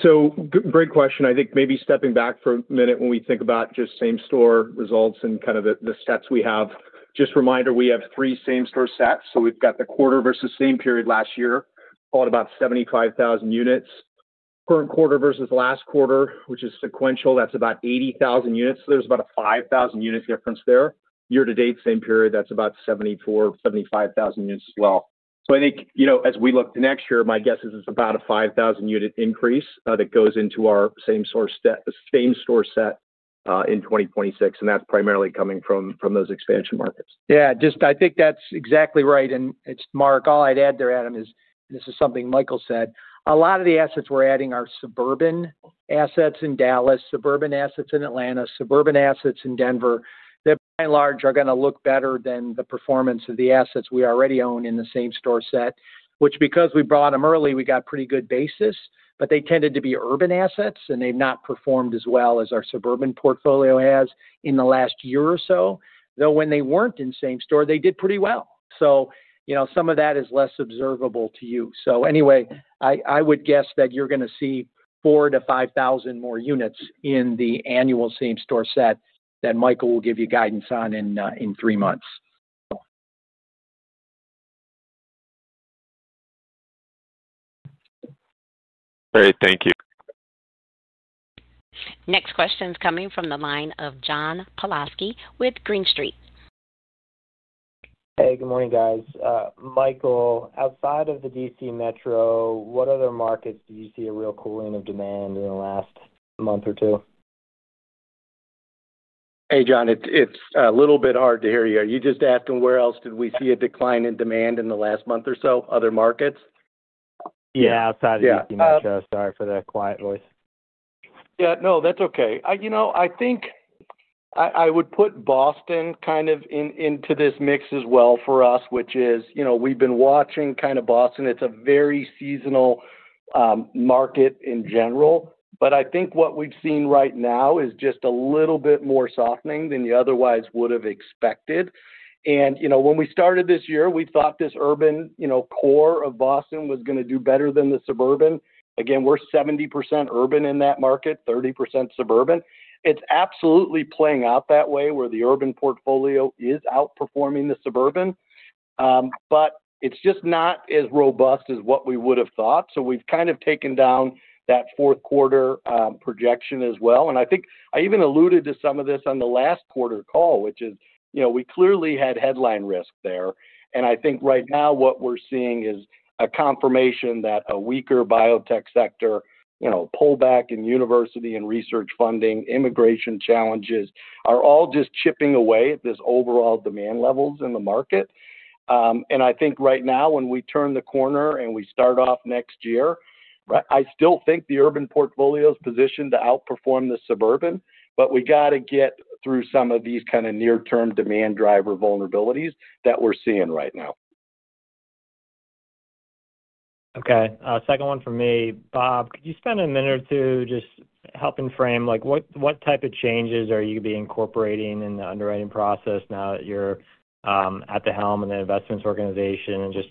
Great question. I think maybe stepping back for a minute when we think about just same-store results and kind of the sets we have. Just a reminder, we have three same-store sets. We've got the quarter versus same period last year, all at about 75,000 units. Current quarter versus last quarter, which is sequential, that's about 80,000 units. There's about a 5,000 unit difference there. Year to date, same period, that's about 74,000 unites-75,000 units as well. I think, as we look to next year, my guess is it's about a 5,000 unit increase that goes into our same-store set in 2026. That's primarily coming from those expansion markets. That's exactly right. It's Mark. All I'd add there, Adam, is this is something Michael said. A lot of the assets we're adding are suburban assets in Dallas, suburban assets in Atlanta, suburban assets in Denver that, by and large, are going to look better than the performance of the assets we already own in the same-store set, which because we brought them early, we got pretty good basis. They tended to be urban assets, and they've not performed as well as our suburban portfolio has in the last year or so. Though when they weren't in same-store, they did pretty well. Some of that is less observable to you. I would guess that you're going to see 4,000-5,000 more units in the annual same-store set that Michael will give you guidance on in three months. Great. Thank you. Next question is coming from the line of John Pawlowski with Green Street. Hey. Good morning, guys. Michael, outside of the DC Metro, what other markets do you see a real cooling of demand in the last month or two? Hey, John. It's a little bit hard to hear you. Are you just asking where else did we see a decline in demand in the last month or so, other markets? Yeah, outside of DC Metro. Sorry for the quiet voice. Yeah, no, that's okay. I think I would put Boston kind of into this mix as well for us, which is, we've been watching kind of Boston. It's a very seasonal market in general. I think what we've seen right now is just a little bit more softening than you otherwise would have expected. When we started this year, we thought this urban core of Boston was going to do better than the suburban. Again, we're 70% urban in that market, 30% suburban. It's absolutely playing out that way where the urban portfolio is outperforming the suburban, but it's just not as robust as what we would have thought. We've kind of taken down that fourth quarter projection as well. I think I even alluded to some of this on the last quarter call, which is, we clearly had headline risk there. I think right now what we're seeing is a confirmation that a weaker biotech sector, pullback in university and research funding, immigration challenges are all just chipping away at this overall demand levels in the market. I think right now, when we turn the corner and we start off next year, I still think the urban portfolio is positioned to outperform the suburban, but we got to get through some of these kind of near-term demand driver vulnerabilities that we're seeing right now. Okay. Second one for me. Bob, could you spend a minute or two just helping frame like what type of changes are you going to be incorporating in the underwriting process now that you're at the helm of the investments organization and just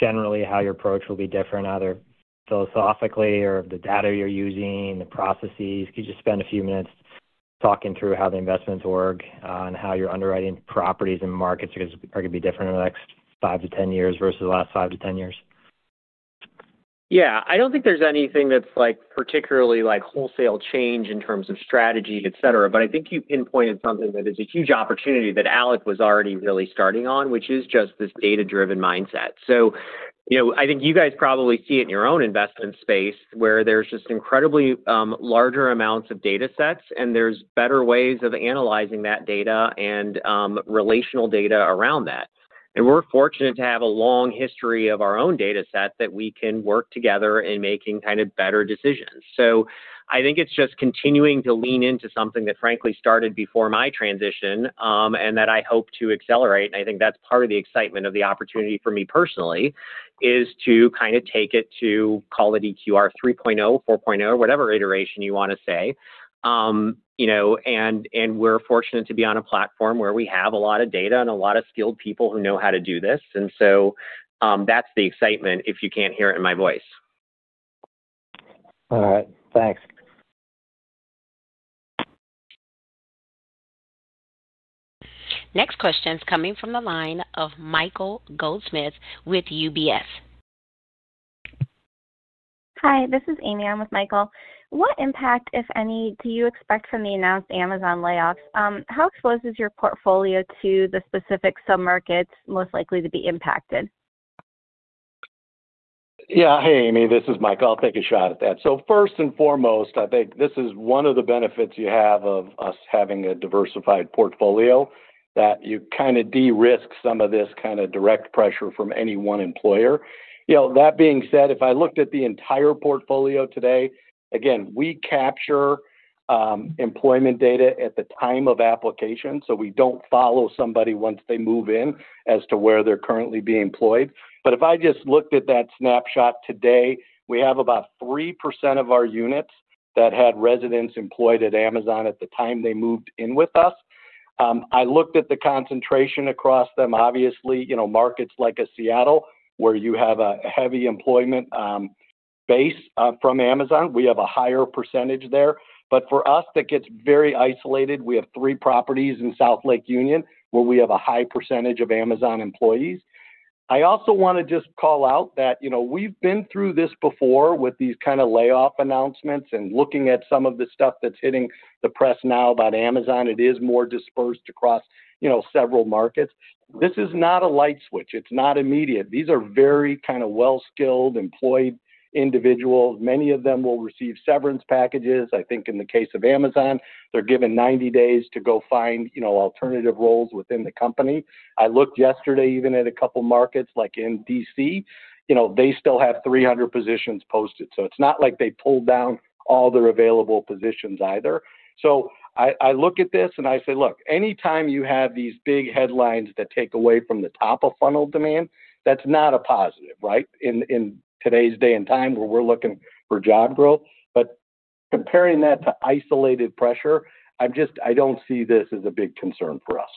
generally how your approach will be different, either philosophically or the data you're using, the processes? Could you just spend a few minutes talking through how the investments work and how your underwriting properties and markets are going to be different in the next five to 10 years versus the last five to 10 years? I don't think there's anything that's particularly a wholesale change in terms of strategy, etc. I think you pinpointed something that is a huge opportunity that Alex was already really starting on, which is just this data-driven mindset. I think you guys probably see it in your own investment space where there's just incredibly larger amounts of data sets, and there's better ways of analyzing that data and relational data around that. We're fortunate to have a long history of our own data set that we can work together in making better decisions. I think it's just continuing to lean into something that frankly started before my transition and that I hope to accelerate. I think that's part of the excitement of the opportunity for me personally, to take it to call it EQR 3.0, 4.0, whatever iteration you want to say. We're fortunate to be on a platform where we have a lot of data and a lot of skilled people who know how to do this. That's the excitement if you can't hear it in my voice. All right. Thanks. Next question is coming from the line of Michael Goldsmith with UBS. Hi. This is Ami. I'm with Michael. What impact, if any, do you expect from the announced Amazon layoffs? How exposed is your portfolio to the specific submarkets most likely to be impacted? Yeah. Hey, Ami. This is Michael. I'll take a shot at that. First and foremost, I think this is one of the benefits you have of us having a diversified portfolio that you kind of de-risk some of this kind of direct pressure from any one employer. That being said, if I looked at the entire portfolio today, again, we capture employment data at the time of application. We don't follow somebody once they move in as to where they're currently being employed. If I just looked at that snapshot today, we have about 3% of our units that had residents employed at Amazon at the time they moved in with us. I looked at the concentration across them. Obviously, markets like a Seattle, where you have a heavy employment base from Amazon, we have a higher percentage there. For us, that gets very isolated. We have three properties in South Lake Union where we have a high percentage of Amazon employees. I also want to just call out that we've been through this before with these kind of layoff announcements and looking at some of the stuff that's hitting the press now about Amazon. It is more dispersed across several markets. This is not a light switch. It's not immediate. These are very kind of well-skilled, employed individuals. Many of them will receive severance packages. I think in the case of Amazon, they're given 90 days to go find alternative roles within the company. I looked yesterday even at a couple of markets like in DC. They still have 300 positions posted. It's not like they pulled down all their available positions either. I look at this and I say, look, anytime you have these big headlines that take away from the top of funnel demand, that's not a positive, right, in today's day and time where we're looking for job growth. Comparing that to isolated pressure, I just don't see this as a big concern for us.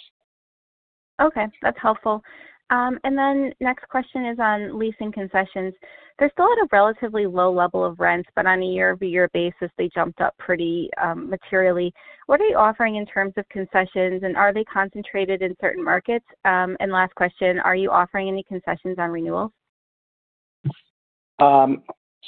Okay. That's helpful. Next question is on leasing concessions. They're still at a relatively low level of rents, but on a year-over-year basis, they jumped up pretty materially. What are you offering in terms of concessions, and are they concentrated in certain markets? Last question, are you offering any concessions on renewals?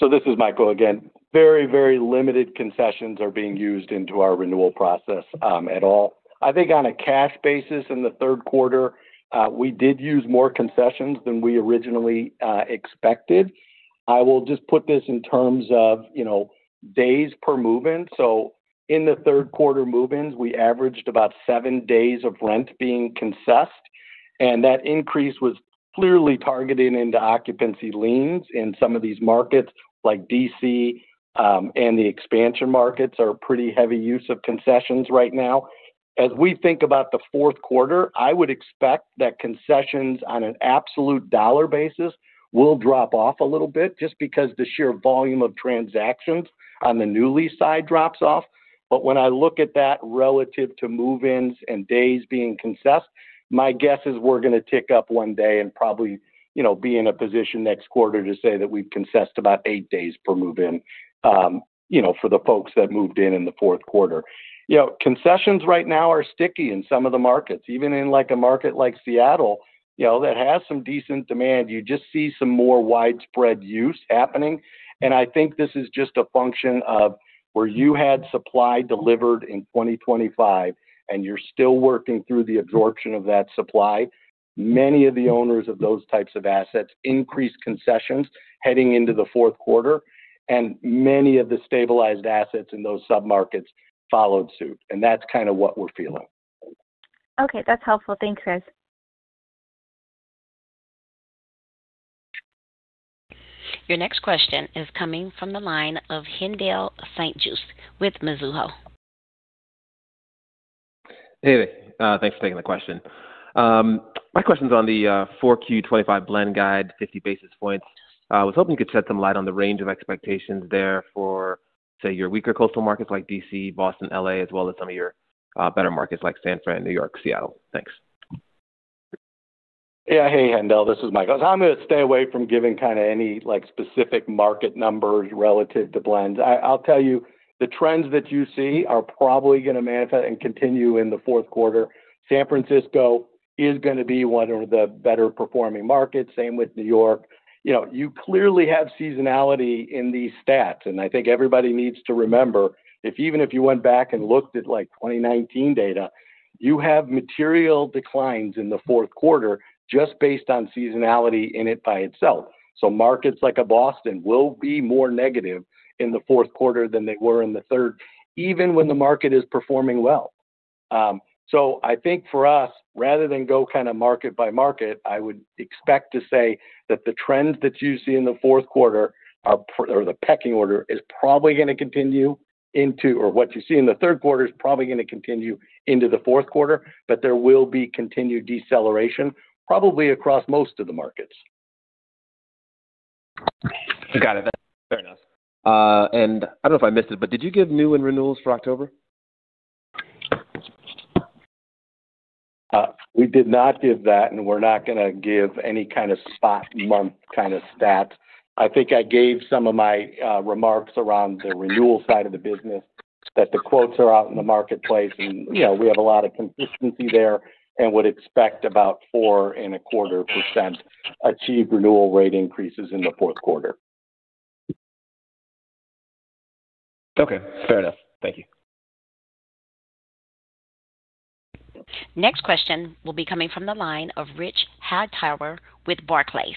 This is Michael again. Very, very limited concessions are being used into our renewal process at all. I think on a cash basis in the third quarter, we did use more concessions than we originally expected. I will just put this in terms of days per move-in. In the third quarter move-ins, we averaged about seven days of rent being concessed. That increase was clearly targeted into occupancy liens in some of these markets like DC, and the expansion markets are pretty heavy use of concessions right now. As we think about the fourth quarter, I would expect that concessions on an absolute dollar basis will drop off a little bit just because the sheer volume of transactions on the new lease side drops off. When I look at that relative to move-ins and days being concessed, my guess is we're going to tick up one day and probably be in a position next quarter to say that we've concessed about eight days per move-in for the folks that moved in in the fourth quarter. Concessions right now are sticky in some of the markets. Even in a market like Seattle that has some decent demand, you just see some more widespread use happening. I think this is just a function of where you had supply delivered in 2025, and you're still working through the absorption of that supply. Many of the owners of those types of assets increased concessions heading into the fourth quarter, and many of the stabilized assets in those submarkets followed suit. That's kind of what we're feeling. Okay. That's helpful. Thanks, Chris. Your next question is coming from the line of Haendel St. Juste with Mizuho. Hey, thanks for taking the question. My question is on the 4Q 2025 blend guide, 50 basis points. I was hoping you could shed some light on the range of expectations there for, say, your weaker coastal markets like DC, Boston, LA, as well as some of your better markets like San Francisco, New York, Seattle. Thanks. Yeah. Hey, Haendel. This is Michael. I'm going to stay away from giving any specific market numbers relative to blends. I'll tell you, the trends that you see are probably going to manifest and continue in the fourth quarter. San Francisco is going to be one of the better performing markets, same with New York. You clearly have seasonality in these stats. I think everybody needs to remember, even if you went back and looked at 2019 data, you have material declines in the fourth quarter just based on seasonality in it by itself. Markets like Boston will be more negative in the fourth quarter than they were in the third, even when the market is performing well. I think for us, rather than go market by market, I would expect to say that the trends that you see in the fourth quarter or the pecking order is probably going to continue into, or what you see in the third quarter is probably going to continue into the fourth quarter, but there will be continued deceleration probably across most of the markets. Got it. Fair enough. I don't know if I missed it, but did you give new and renewals for October? We did not give that, and we're not going to give any kind of spot month kind of stats. I think I gave some of my remarks around the renewal side of the business that the quotes are out in the marketplace, and you know we have a lot of consistency there and would expect about 4.25% achieved renewal rate increases in the fourth quarter. Okay. Fair enough. Thank you. Next question will be coming from the line of Rich Hightower with Barclays.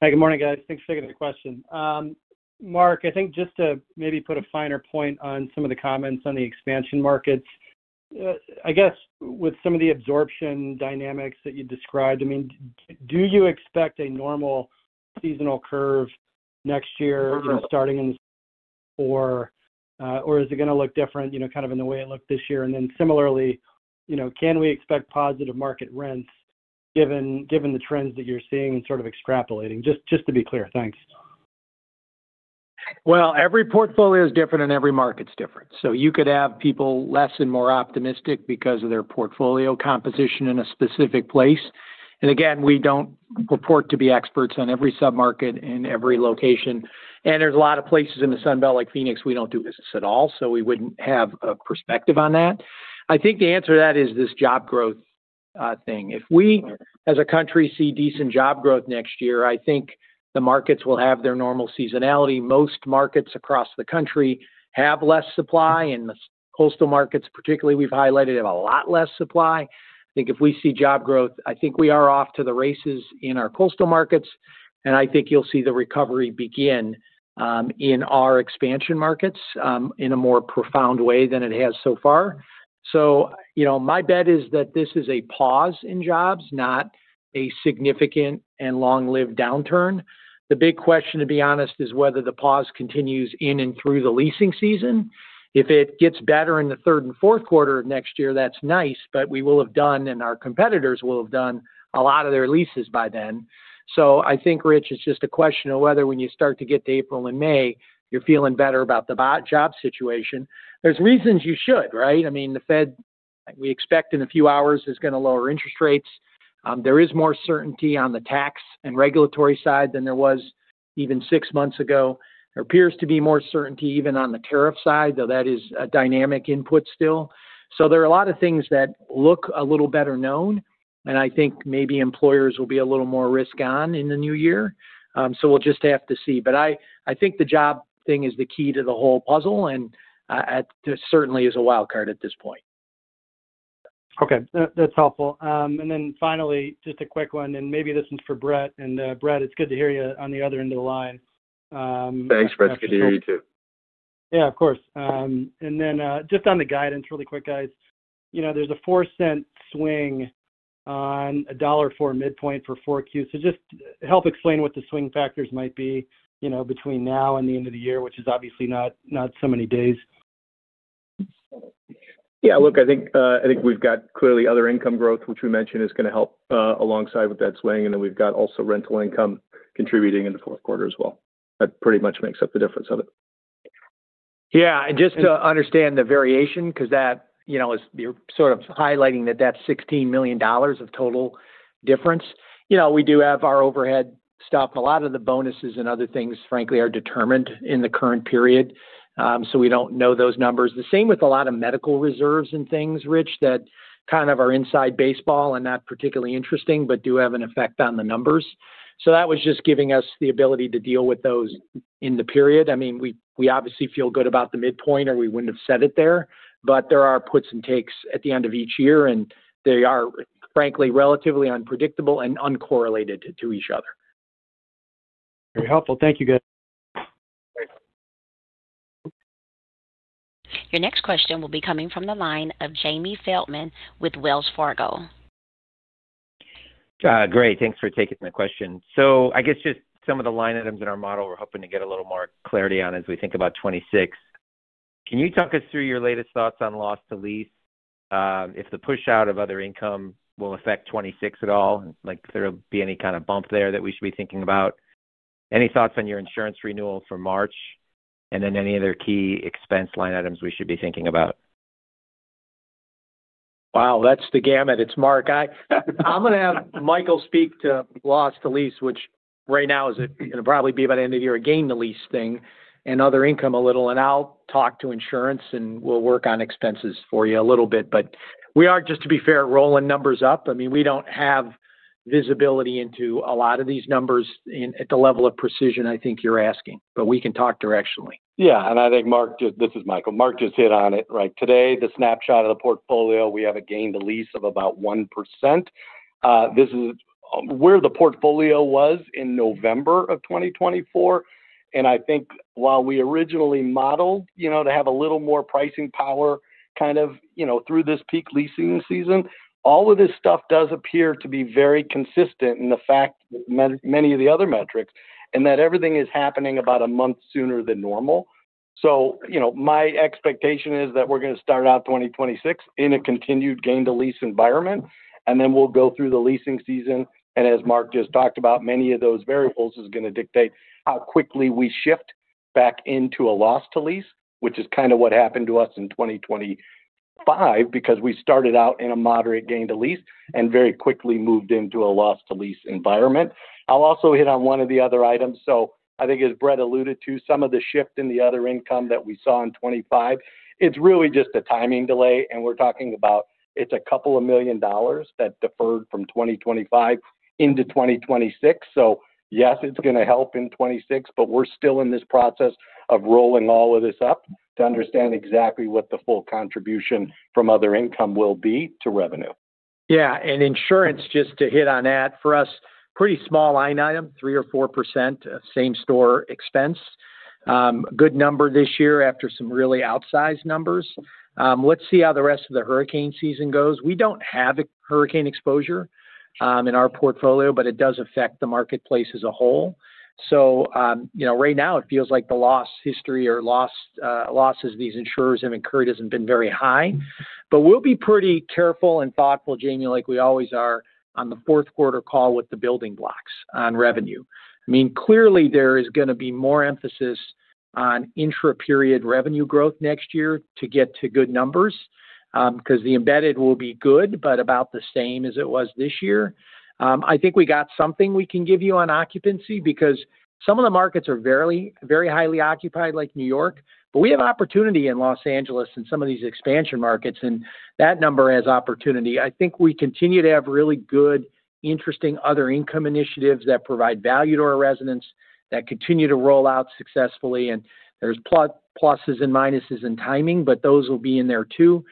Hey, good morning, guys. Thanks for taking the question. Mark, I think just to maybe put a finer point on some of the comments on the expansion markets, I guess with some of the absorption dynamics that you described, do you expect a normal seasonal curve next year, starting in the spring, or is it going to look different, kind of in the way it looked this year? Similarly, can we expect positive market rents given the trends that you're seeing and sort of extrapolating? Just to be clear, thanks. Every portfolio is different, and every market's different. You could have people less and more optimistic because of their portfolio composition in a specific place. Again, we don't purport to be experts on every submarket in every location. There are a lot of places in the Sun Belt like Phoenix we don't do business at all, so we wouldn't have a perspective on that. I think the answer to that is this job growth thing. If we, as a country, see decent job growth next year, I think the markets will have their normal seasonality. Most markets across the country have less supply, and the coastal markets particularly we've highlighted have a lot less supply. If we see job growth, I think we are off to the races in our coastal markets. I think you'll see the recovery begin in our expansion markets in a more profound way than it has so far. My bet is that this is a pause in jobs, not a significant and long-lived downturn. The big question, to be honest, is whether the pause continues in and through the leasing season. If it gets better in the third and fourth quarter of next year, that's nice, but we will have done, and our competitors will have done, a lot of their leases by then. I think, Rich, it's just a question of whether when you start to get to April and May, you're feeling better about the job situation. There's reasons you should, right? I mean, the Fed, we expect in a few hours, is going to lower interest rates. There is more certainty on the tax and regulatory side than there was even six months ago. There appears to be more certainty even on the tariff side, though that is a dynamic input still. There are a lot of things that look a little better known, and I think maybe employers will be a little more risk-on in the new year. We'll just have to see. I think the job thing is the key to the whole puzzle, and it certainly is a wildcard at this point. Okay. That's helpful. Finally, just a quick one, and maybe this one's for Bret. Bret, it's good to hear you on the other end of the line. Thanks, Rich. It's good to hear you too. Of course. Just on the guidance really quick, guys, there's a $0.04 swing on a dollar for midpoint for 4Q. Help explain what the swing factors might be between now and the end of the year, which is obviously not so many days. Yeah. Look, I think we've got clearly other income growth, which we mentioned is going to help alongside with that swing. We've also got rental income contributing in the fourth quarter as well. That pretty much makes up the difference of it. Yeah. Just to understand the variation, because that, you know, you're sort of highlighting that that's $16 million of total difference. We do have our overhead stuff, and a lot of the bonuses and other things, frankly, are determined in the current period. We don't know those numbers. The same with a lot of medical reserves and things, Rich, that kind of are inside baseball and not particularly interesting, but do have an effect on the numbers. That was just giving us the ability to deal with those in the period. I mean, we obviously feel good about the midpoint, or we wouldn't have said it there. There are puts and takes at the end of each year, and they are, frankly, relatively unpredictable and uncorrelated to each other. Very helpful. Thank you, guys. Your next question will be coming from the line of Jamie Feldman with Wells Fargo. Great. Thanks for taking the question. I guess just some of the line items in our model we're hoping to get a little more clarity on as we think about 2026. Can you talk us through your latest thoughts on loss to lease? If the push-out of other income will affect 2026 at all, and if there will be any kind of bump there that we should be thinking about? Any thoughts on your insurance renewal for March, and then any other key expense line items we should be thinking about? Wow. That's the gamut. It's Mark. I'm going to have Michael speak to loss to lease, which right now is going to probably be about end of year again, the lease thing and other income a little. I'll talk to insurance, and we'll work on expenses for you a little bit. We are, just to be fair, rolling numbers up. We don't have visibility into a lot of these numbers at the level of precision I think you're asking, but we can talk directionally. Yeah. I think Mark, this is Michael. Mark just hit on it, right? Today, the snapshot of the portfolio, we have a gain to lease of about 1%. This is where the portfolio was in November of 2024. I think while we originally modeled, you know, to have a little more pricing power kind of, you know, through this peak leasing season, all of this stuff does appear to be very consistent in the fact with many of the other metrics and that everything is happening about a month sooner than normal. My expectation is that we're going to start out 2026 in a continued gain-to-lease environment. We'll go through the leasing season, and as Mark just talked about, many of those variables are going to dictate how quickly we shift back into a loss to lease, which is kind of what happened to us in 2025 because we started out in a moderate gain to lease and very quickly moved into a loss-to-lease environment. I'll also hit on one of the other items. I think, as Bret alluded to, some of the shift in the other income that we saw in 2025, it's really just a timing delay. We're talking about it's a couple of million dollars that deferred from 2025 into 2026. Yes, it's going to help in 2026, but we're still in this process of rolling all of this up to understand exactly what the full contribution from other income will be to revenue. Yeah. Insurance, just to hit on that, for us, pretty small line item, 3% or 4% of same-store expense. Good number this year after some really outsized numbers. Let's see how the rest of the hurricane season goes. We don't have a hurricane exposure in our portfolio, but it does affect. Marketplace as a whole. Right now it feels like the loss history or losses these insurers have incurred hasn't been very high. We'll be pretty careful and thoughtful, Jamie, like we always are, on the fourth quarter call with the building blocks on revenue. Clearly there is going to be more emphasis on intra-period revenue growth next year to get to good numbers because the embedded will be good, but about the same as it was this year. I think we got something we can give you on occupancy because some of the markets are very highly occupied, like New York, but we have opportunity in Los Angeles in some of these expansion markets, and that number has opportunity. I think we continue to have really good, interesting other income initiatives that provide value to our residents that continue to roll out successfully. There are pluses and minuses in timing, but those will be in there too.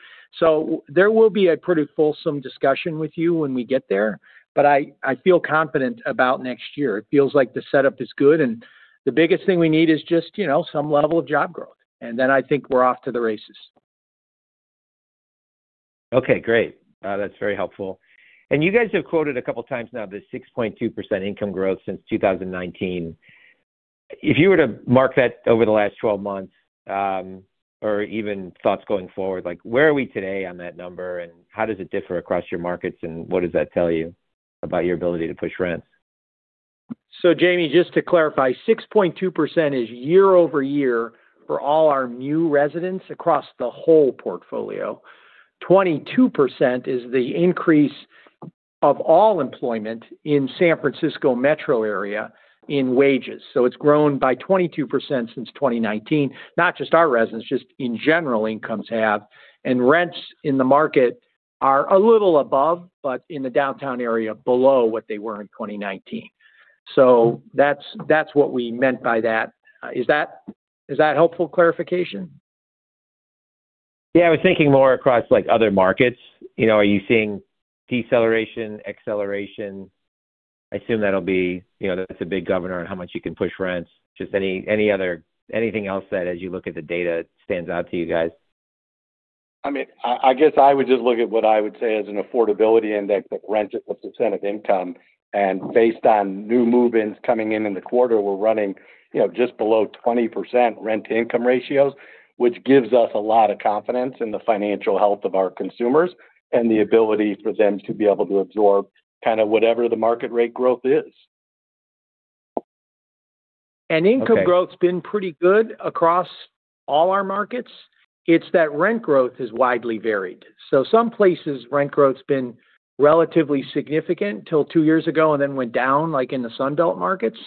There will be a pretty fulsome discussion with you when we get there, but I feel confident about next year. It feels like the setup is good, and the biggest thing we need is just some level of job growth. I think we're off to the races. Okay, great. That's very helpful. You guys have quoted a couple of times now this 6.2% income growth since 2019. If you were to mark that over the last 12 months or even thoughts going forward, where are we today on that number and how does it differ across your markets and what does that tell you about your ability to push rents? Jamie, just to clarify, 6.2% is year-over-year for all our new residents across the whole portfolio. 22% is the increase of all employment in the San Francisco metro area in wages. It's grown by 22% since 2019. Not just our residents, just in general, incomes have, and rents in the market are a little above, but in the downtown area below what they were in 2019. That's what we meant by that. Is that helpful clarification? Yeah, I was thinking more across like other markets. Are you seeing deceleration, acceleration? I assume that'll be, you know, that's a big governor on how much you can push rents. Just anything else that as you look at the data stands out to you guys? I guess I would just look at what I would say as an affordability index that rents at the percent of income. Based on new move-ins coming in in the quarter, we're running just below 20% rent-to-income ratios, which gives us a lot of confidence in the financial health of our consumers and the ability for them to be able to absorb kind of whatever the market rate growth is. Income growth's been pretty good across all our markets. It's that rent growth is widely varied. Some places, rent growth's been relatively significant until two years ago and then went down, like in the Sun Belt markets.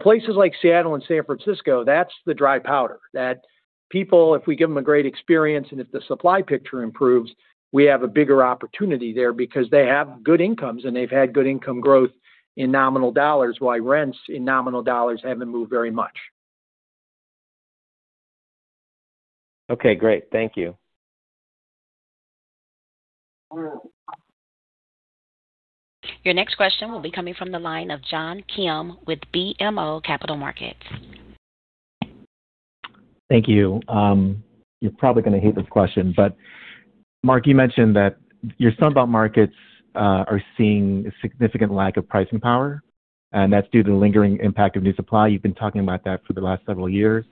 Places like Seattle and San Francisco, that's the dry powder. If we give them a great experience and if the supply picture improves, we have a bigger opportunity there because they have good incomes and they've had good income growth in nominal dollars, while rents in nominal dollars haven't moved very much. Okay, great. Thank you. Your next question will be coming from the line of John Kim with BMO Capital Markets. Thank you. You're probably going to hate this question, but Mark, you mentioned that your Sun Belt markets are seeing a significant lack of pricing power, and that's due to the lingering impact of new supply. You've been talking about that for the last several years.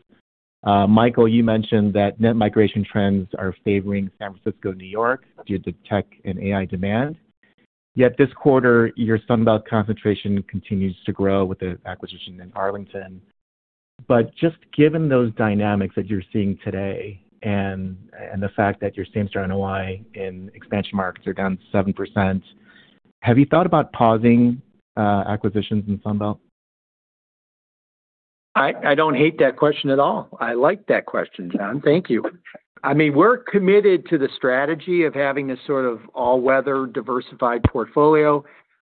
Michael, you mentioned that net migration trends are favoring San Francisco, New York due to tech and AI demand. Yet this quarter, your Sun Belt concentration continues to grow with the acquisition in Arlington, Texas. Given those dynamics that you're seeing today and the fact that your same-store NOI in expansion markets are down 7%, have you thought about pausing acquisitions in the Sun Belt? I don't hate that question at all. I like that question, John. Thank you. I mean, we're committed to the strategy of having this sort of all-weather diversified portfolio.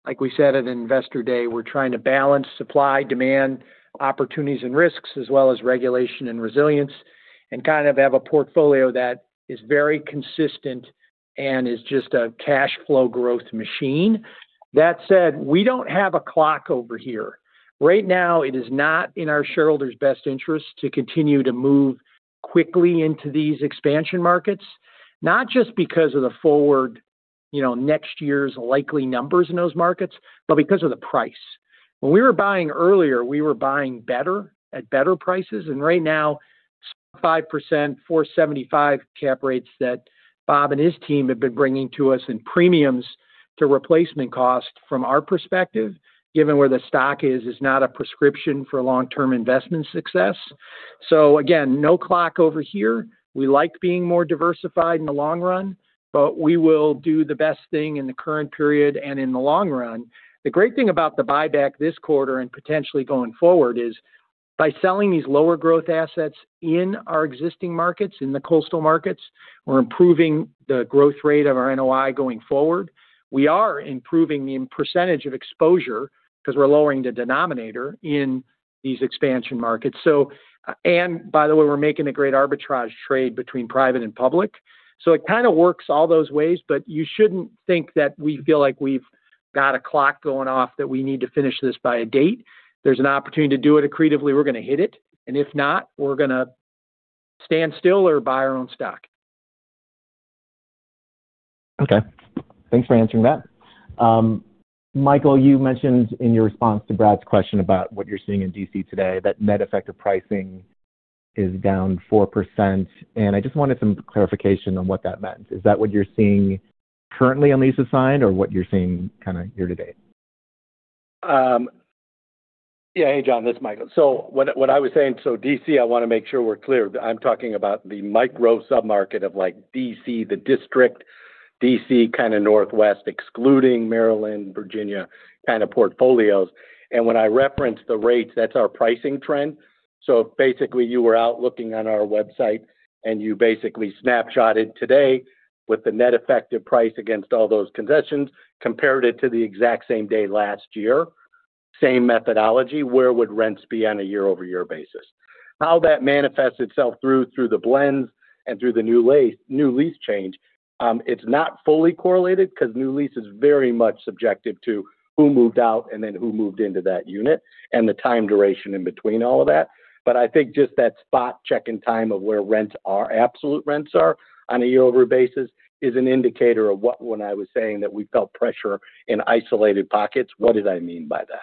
Like we said at an Investor Day, we're trying to balance supply, demand, opportunities, and risks, as well as regulation and resilience, and kind of have a portfolio that is very consistent and is just a cash flow growth machine. That said, we don't have a clock over here. Right now, it is not in our shareholders' best interests to continue to move quickly into these expansion markets, not just because of the forward, you know, next year's likely numbers in those markets, but because of the price. When we were buying earlier, we were buying better, at better prices. Right now, sub 5%, 4.75% cap rates that Bob and his team have been bringing to us in premiums to replacement costs from our perspective, given where the stock is, is not a prescription for long-term investment success. No clock over here. We like being more diversified in the long run, but we will do the best thing in the current period and in the long run. The great thing about the buyback this quarter and potentially going forward is by selling these lower growth assets in our existing markets, in the coastal markets, we're improving the growth rate of our NOI going forward. We are improving the percentage of exposure because we're lowering the denominator in these expansion markets. By the way, we're making a great arbitrage trade between private and public. It kind of works all those ways, but you shouldn't think that we feel like we've got a clock going off that we need to finish this by a date. There's an opportunity to do it accretively. We're going to hit it. If not, we're going to stand still or buy our own stock. Okay. Thanks for answering that. Michael, you mentioned in your response to Brad's question about what you're seeing in DC today, that net effective pricing is down 4%. I just wanted some clarification on what that meant. Is that what you're seeing currently on leases signed or what you're seeing kind of year-to-date? Yeah. Hey, John, this is Michael. What I was saying, DC, I want to make sure we're clear. I'm talking about the micro submarket of DC, the district, DC kind of northwest, excluding Maryland, Virginia portfolios. When I referenced the rates, that's our pricing trend. You were out looking on our website and you snapshotted today with the net effective price against all those concessions, compared it to the exact same day last year, same methodology. Where would rents be on a year-over-year basis? How that manifests itself through the blends and through the new lease change, it's not fully correlated because new lease is very much subjective to who moved out and then who moved into that unit and the time duration in between all of that. I think just that spot check-in time of where rents are, absolute rents are on a year-over basis, is an indicator of what when I was saying that we felt pressure in isolated pockets, what did I mean by that?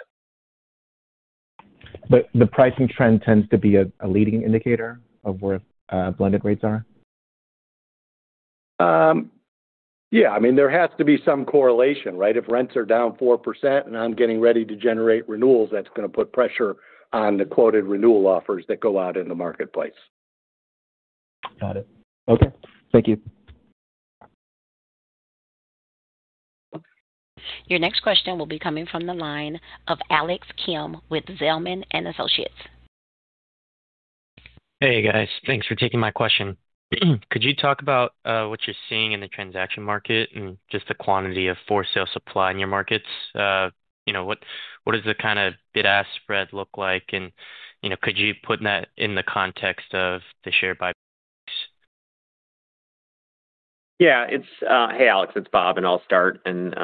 The pricing trend tends to be a leading indicator of where blended rates are. Yeah. I mean, there has to be some correlation, right? If rents are down 4% and I'm getting ready to generate renewals, that's going to put pressure on the quoted renewal offers that go out in the marketplace. Got it. Okay, thank you. Your next question will be coming from the line of Alex Kim with Zelman & Associates. Hey, guys. Thanks for taking my question. Could you talk about what you're seeing in the transaction market and just the quantity of for sale supply in your markets? What does the kind of bid-ask spread look like? Could you put that in the context of the share buy? Yeah. Hey, Alex, it's Bob, and I'll start and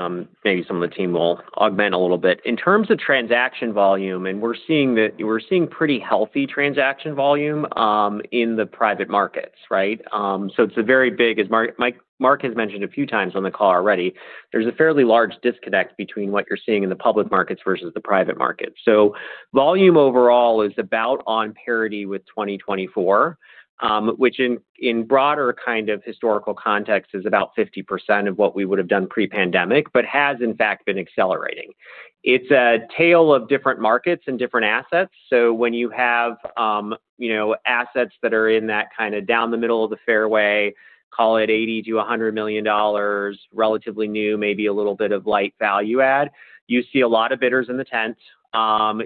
maybe some of the team will augment a little bit. In terms of transaction volume, we're seeing pretty healthy transaction volume in the private markets, right? It's a very big, as Mark has mentioned a few times on the call already, there's a fairly large disconnect between what you're seeing in the public markets versus the private markets. Volume overall is about on parity with 2024, which in broader kind of historical context is about 50% of what we would have done pre-pandemic, but has in fact been accelerating. It's a tale of different markets and different assets. When you have assets that are in that kind of down the middle of the fairway, call it $80 million-$100 million, relatively new, maybe a little bit of light value add, you see a lot of bidders in the tent,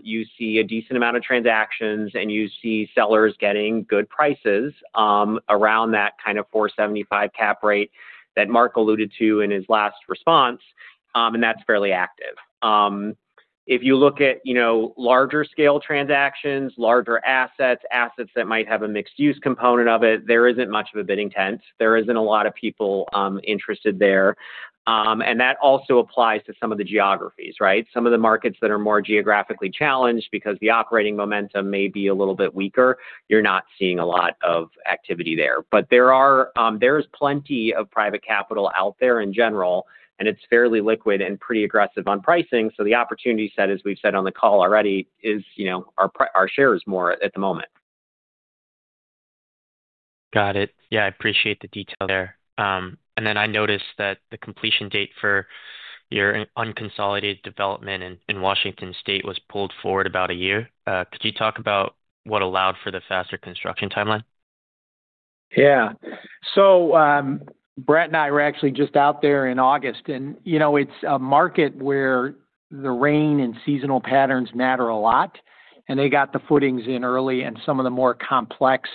you see a decent amount of transactions, and you see sellers getting good prices around that kind of 4.75% cap rate that Mark alluded to in his last response, and that's fairly active. If you look at larger scale transactions, larger assets, assets that might have a mixed-use component, there isn't much of a bidding tent. There isn't a lot of people interested there. That also applies to some of the geographies, right? Some of the markets that are more geographically challenged because the operating momentum may be a little bit weaker, you're not seeing a lot of activity there. There is plenty of private capital out there in general, and it's fairly liquid and pretty aggressive on pricing. The opportunity set, as we've said on the call already, is our shares more at the moment. Got it. I appreciate the detail there. I noticed that the completion date for your unconsolidated development in Washington State was pulled forward about a year. Could you talk about what allowed for the faster construction timeline? Yeah. Bret and I were actually just out there in August, and you know, it's a market where the rain and seasonal patterns matter a lot. They got the footings in early and some of the more complex,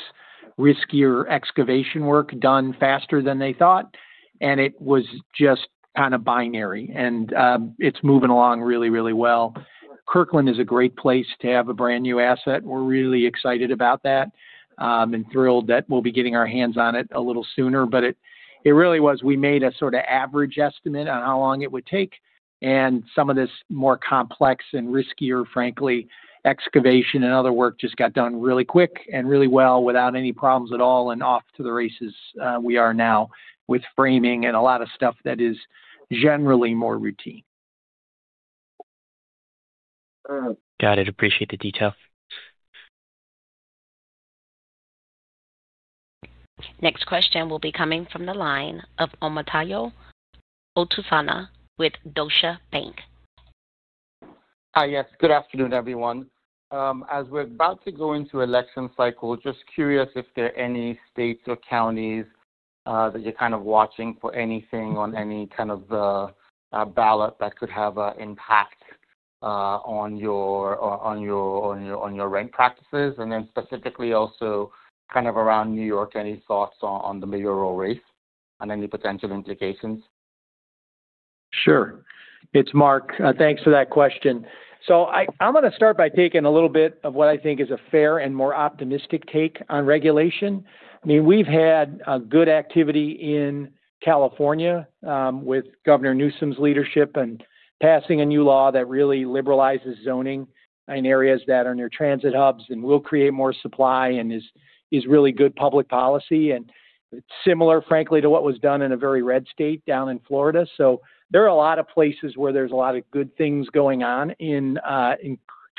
riskier excavation work done faster than they thought. It was just kind of binary. It's moving along really, really well. Kirkland is a great place to have a brand new asset. We're really excited about that and thrilled that we'll be getting our hands on it a little sooner. It really was, we made a sort of average estimate on how long it would take. Some of this more complex and riskier, frankly, excavation and other work just got done really quick and really well without any problems at all. Off to the races we are now with framing and a lot of stuff that is generally more routine. Got it. Appreciate the detail. Next question will be coming from the line of Omotayo Okusanya with Deutsche Bank. Hi, yes. Good afternoon, everyone. As we're about to go into election cycle, just curious if there are any states or counties that you're kind of watching for anything on any kind of the ballot that could have an impact on your rent practices? Specifically also kind of around New York, any thoughts on the mayoral race and any potential implications? Sure. It's Mark. Thanks for that question. I'm going to start by taking a little bit of what I think is a fair and more optimistic take on regulation. We've had good activity in California with Governor Newsom's leadership and passing a new law that really liberalizes zoning in areas that are near transit hubs and will create more supply and is really good public policy. It's similar, frankly, to what was done in a very red state down in Florida. There are a lot of places where there's a lot of good things going on in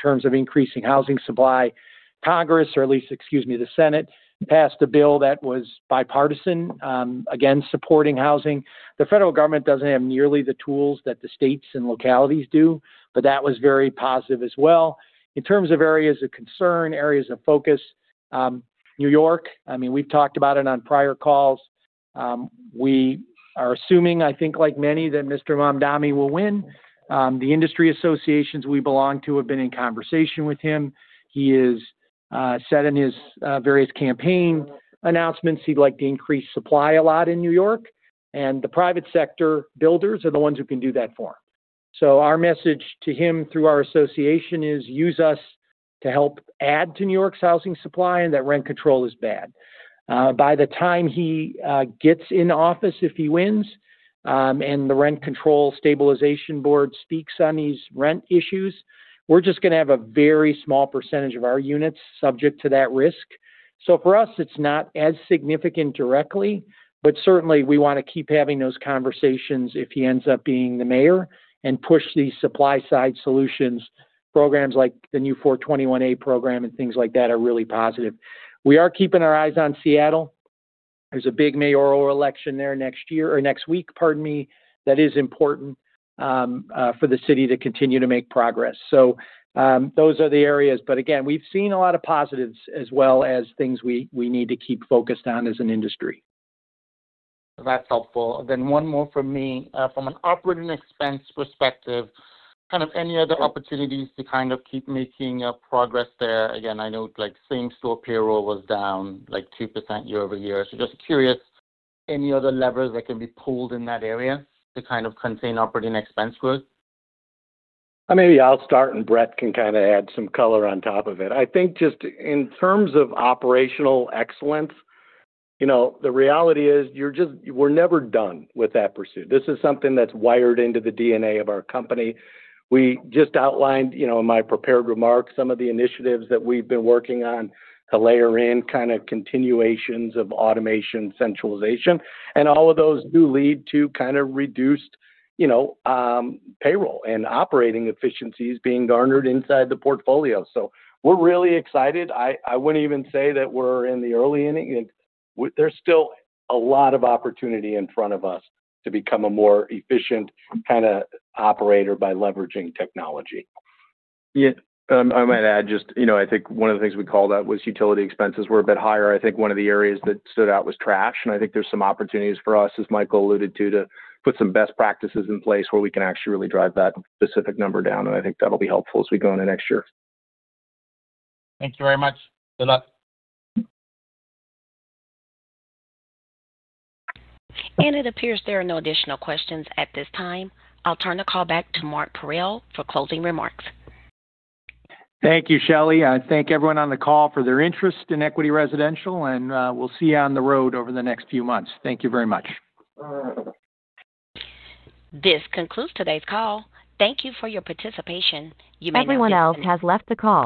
terms of increasing housing supply. Congress, or at least, excuse me, the Senate passed a bill that was bipartisan, again, supporting housing. The federal government doesn't have nearly the tools that the states and localities do, but that was very positive as well. In terms of areas of concern, areas of focus, New York, we've talked about it on prior calls. We are assuming, I think, like many, that Mr. Mamdani will win. The industry associations we belong to have been in conversation with him. He has said in his various campaign announcements he'd like to increase supply a lot in New York. The private sector builders are the ones who can do that for him. Our message to him through our association is use us to help add to New York's housing supply and that rent control is bad. By the time he gets in office, if he wins, and the Rent Control Stabilization Board speaks on these rent issues, we're just going to have a very small percent of our units subject to that risk. For us, it's not as significant directly, but certainly we want to keep having those conversations if he ends up being the mayor and push these supply side solutions. Programs like the new 421A program and things like that are really positive. We are keeping our eyes on Seattle. There's a big mayoral election there next year or next week, pardon me, that is important for the city to continue to make progress. Those are the areas. We've seen a lot of positives as well as things we need to keep focused on as an industry. That's helpful. One more for me. From an operating expense perspective, any other opportunities to keep making progress there? I know same store payroll was down 2% year-over-year. Just curious, any other levers that can be pulled in that area to contain operating expense growth? Maybe I'll start and Bret can kind of add some color on top of it. I think just in terms of operational excellence, the reality is we're never done with that pursuit. This is something that's wired into the D&A of our company. We just outlined, in my prepared remarks, some of the initiatives that we've been working on to layer in continuations of automation and centralization. All of those do lead to reduced payroll and operating efficiencies being garnered inside the portfolio. We're really excited. I wouldn't even say that we're in the early inning. There's still a lot of opportunity in front of us to become a more efficient operator by leveraging technology. Yeah. I might add, I think one of the things we called out was utility expenses were a bit higher. I think one of the areas that stood out was trash. I think there's some opportunities for us, as Michael alluded to, to put some best practices in place where we can actually really drive that specific number down. I think that'll be helpful as we go into next year. Thank you very much. Good luck. It appears there are no additional questions at this time. I'll turn the call back to Mark Parrell for closing remarks. Thank you, Shelley. I thank everyone on the call for their interest in Equity Residential, and we'll see you on the road over the next few months. Thank you very much. This concludes today's call. Thank you for your participation. You may. Everyone else has left the call.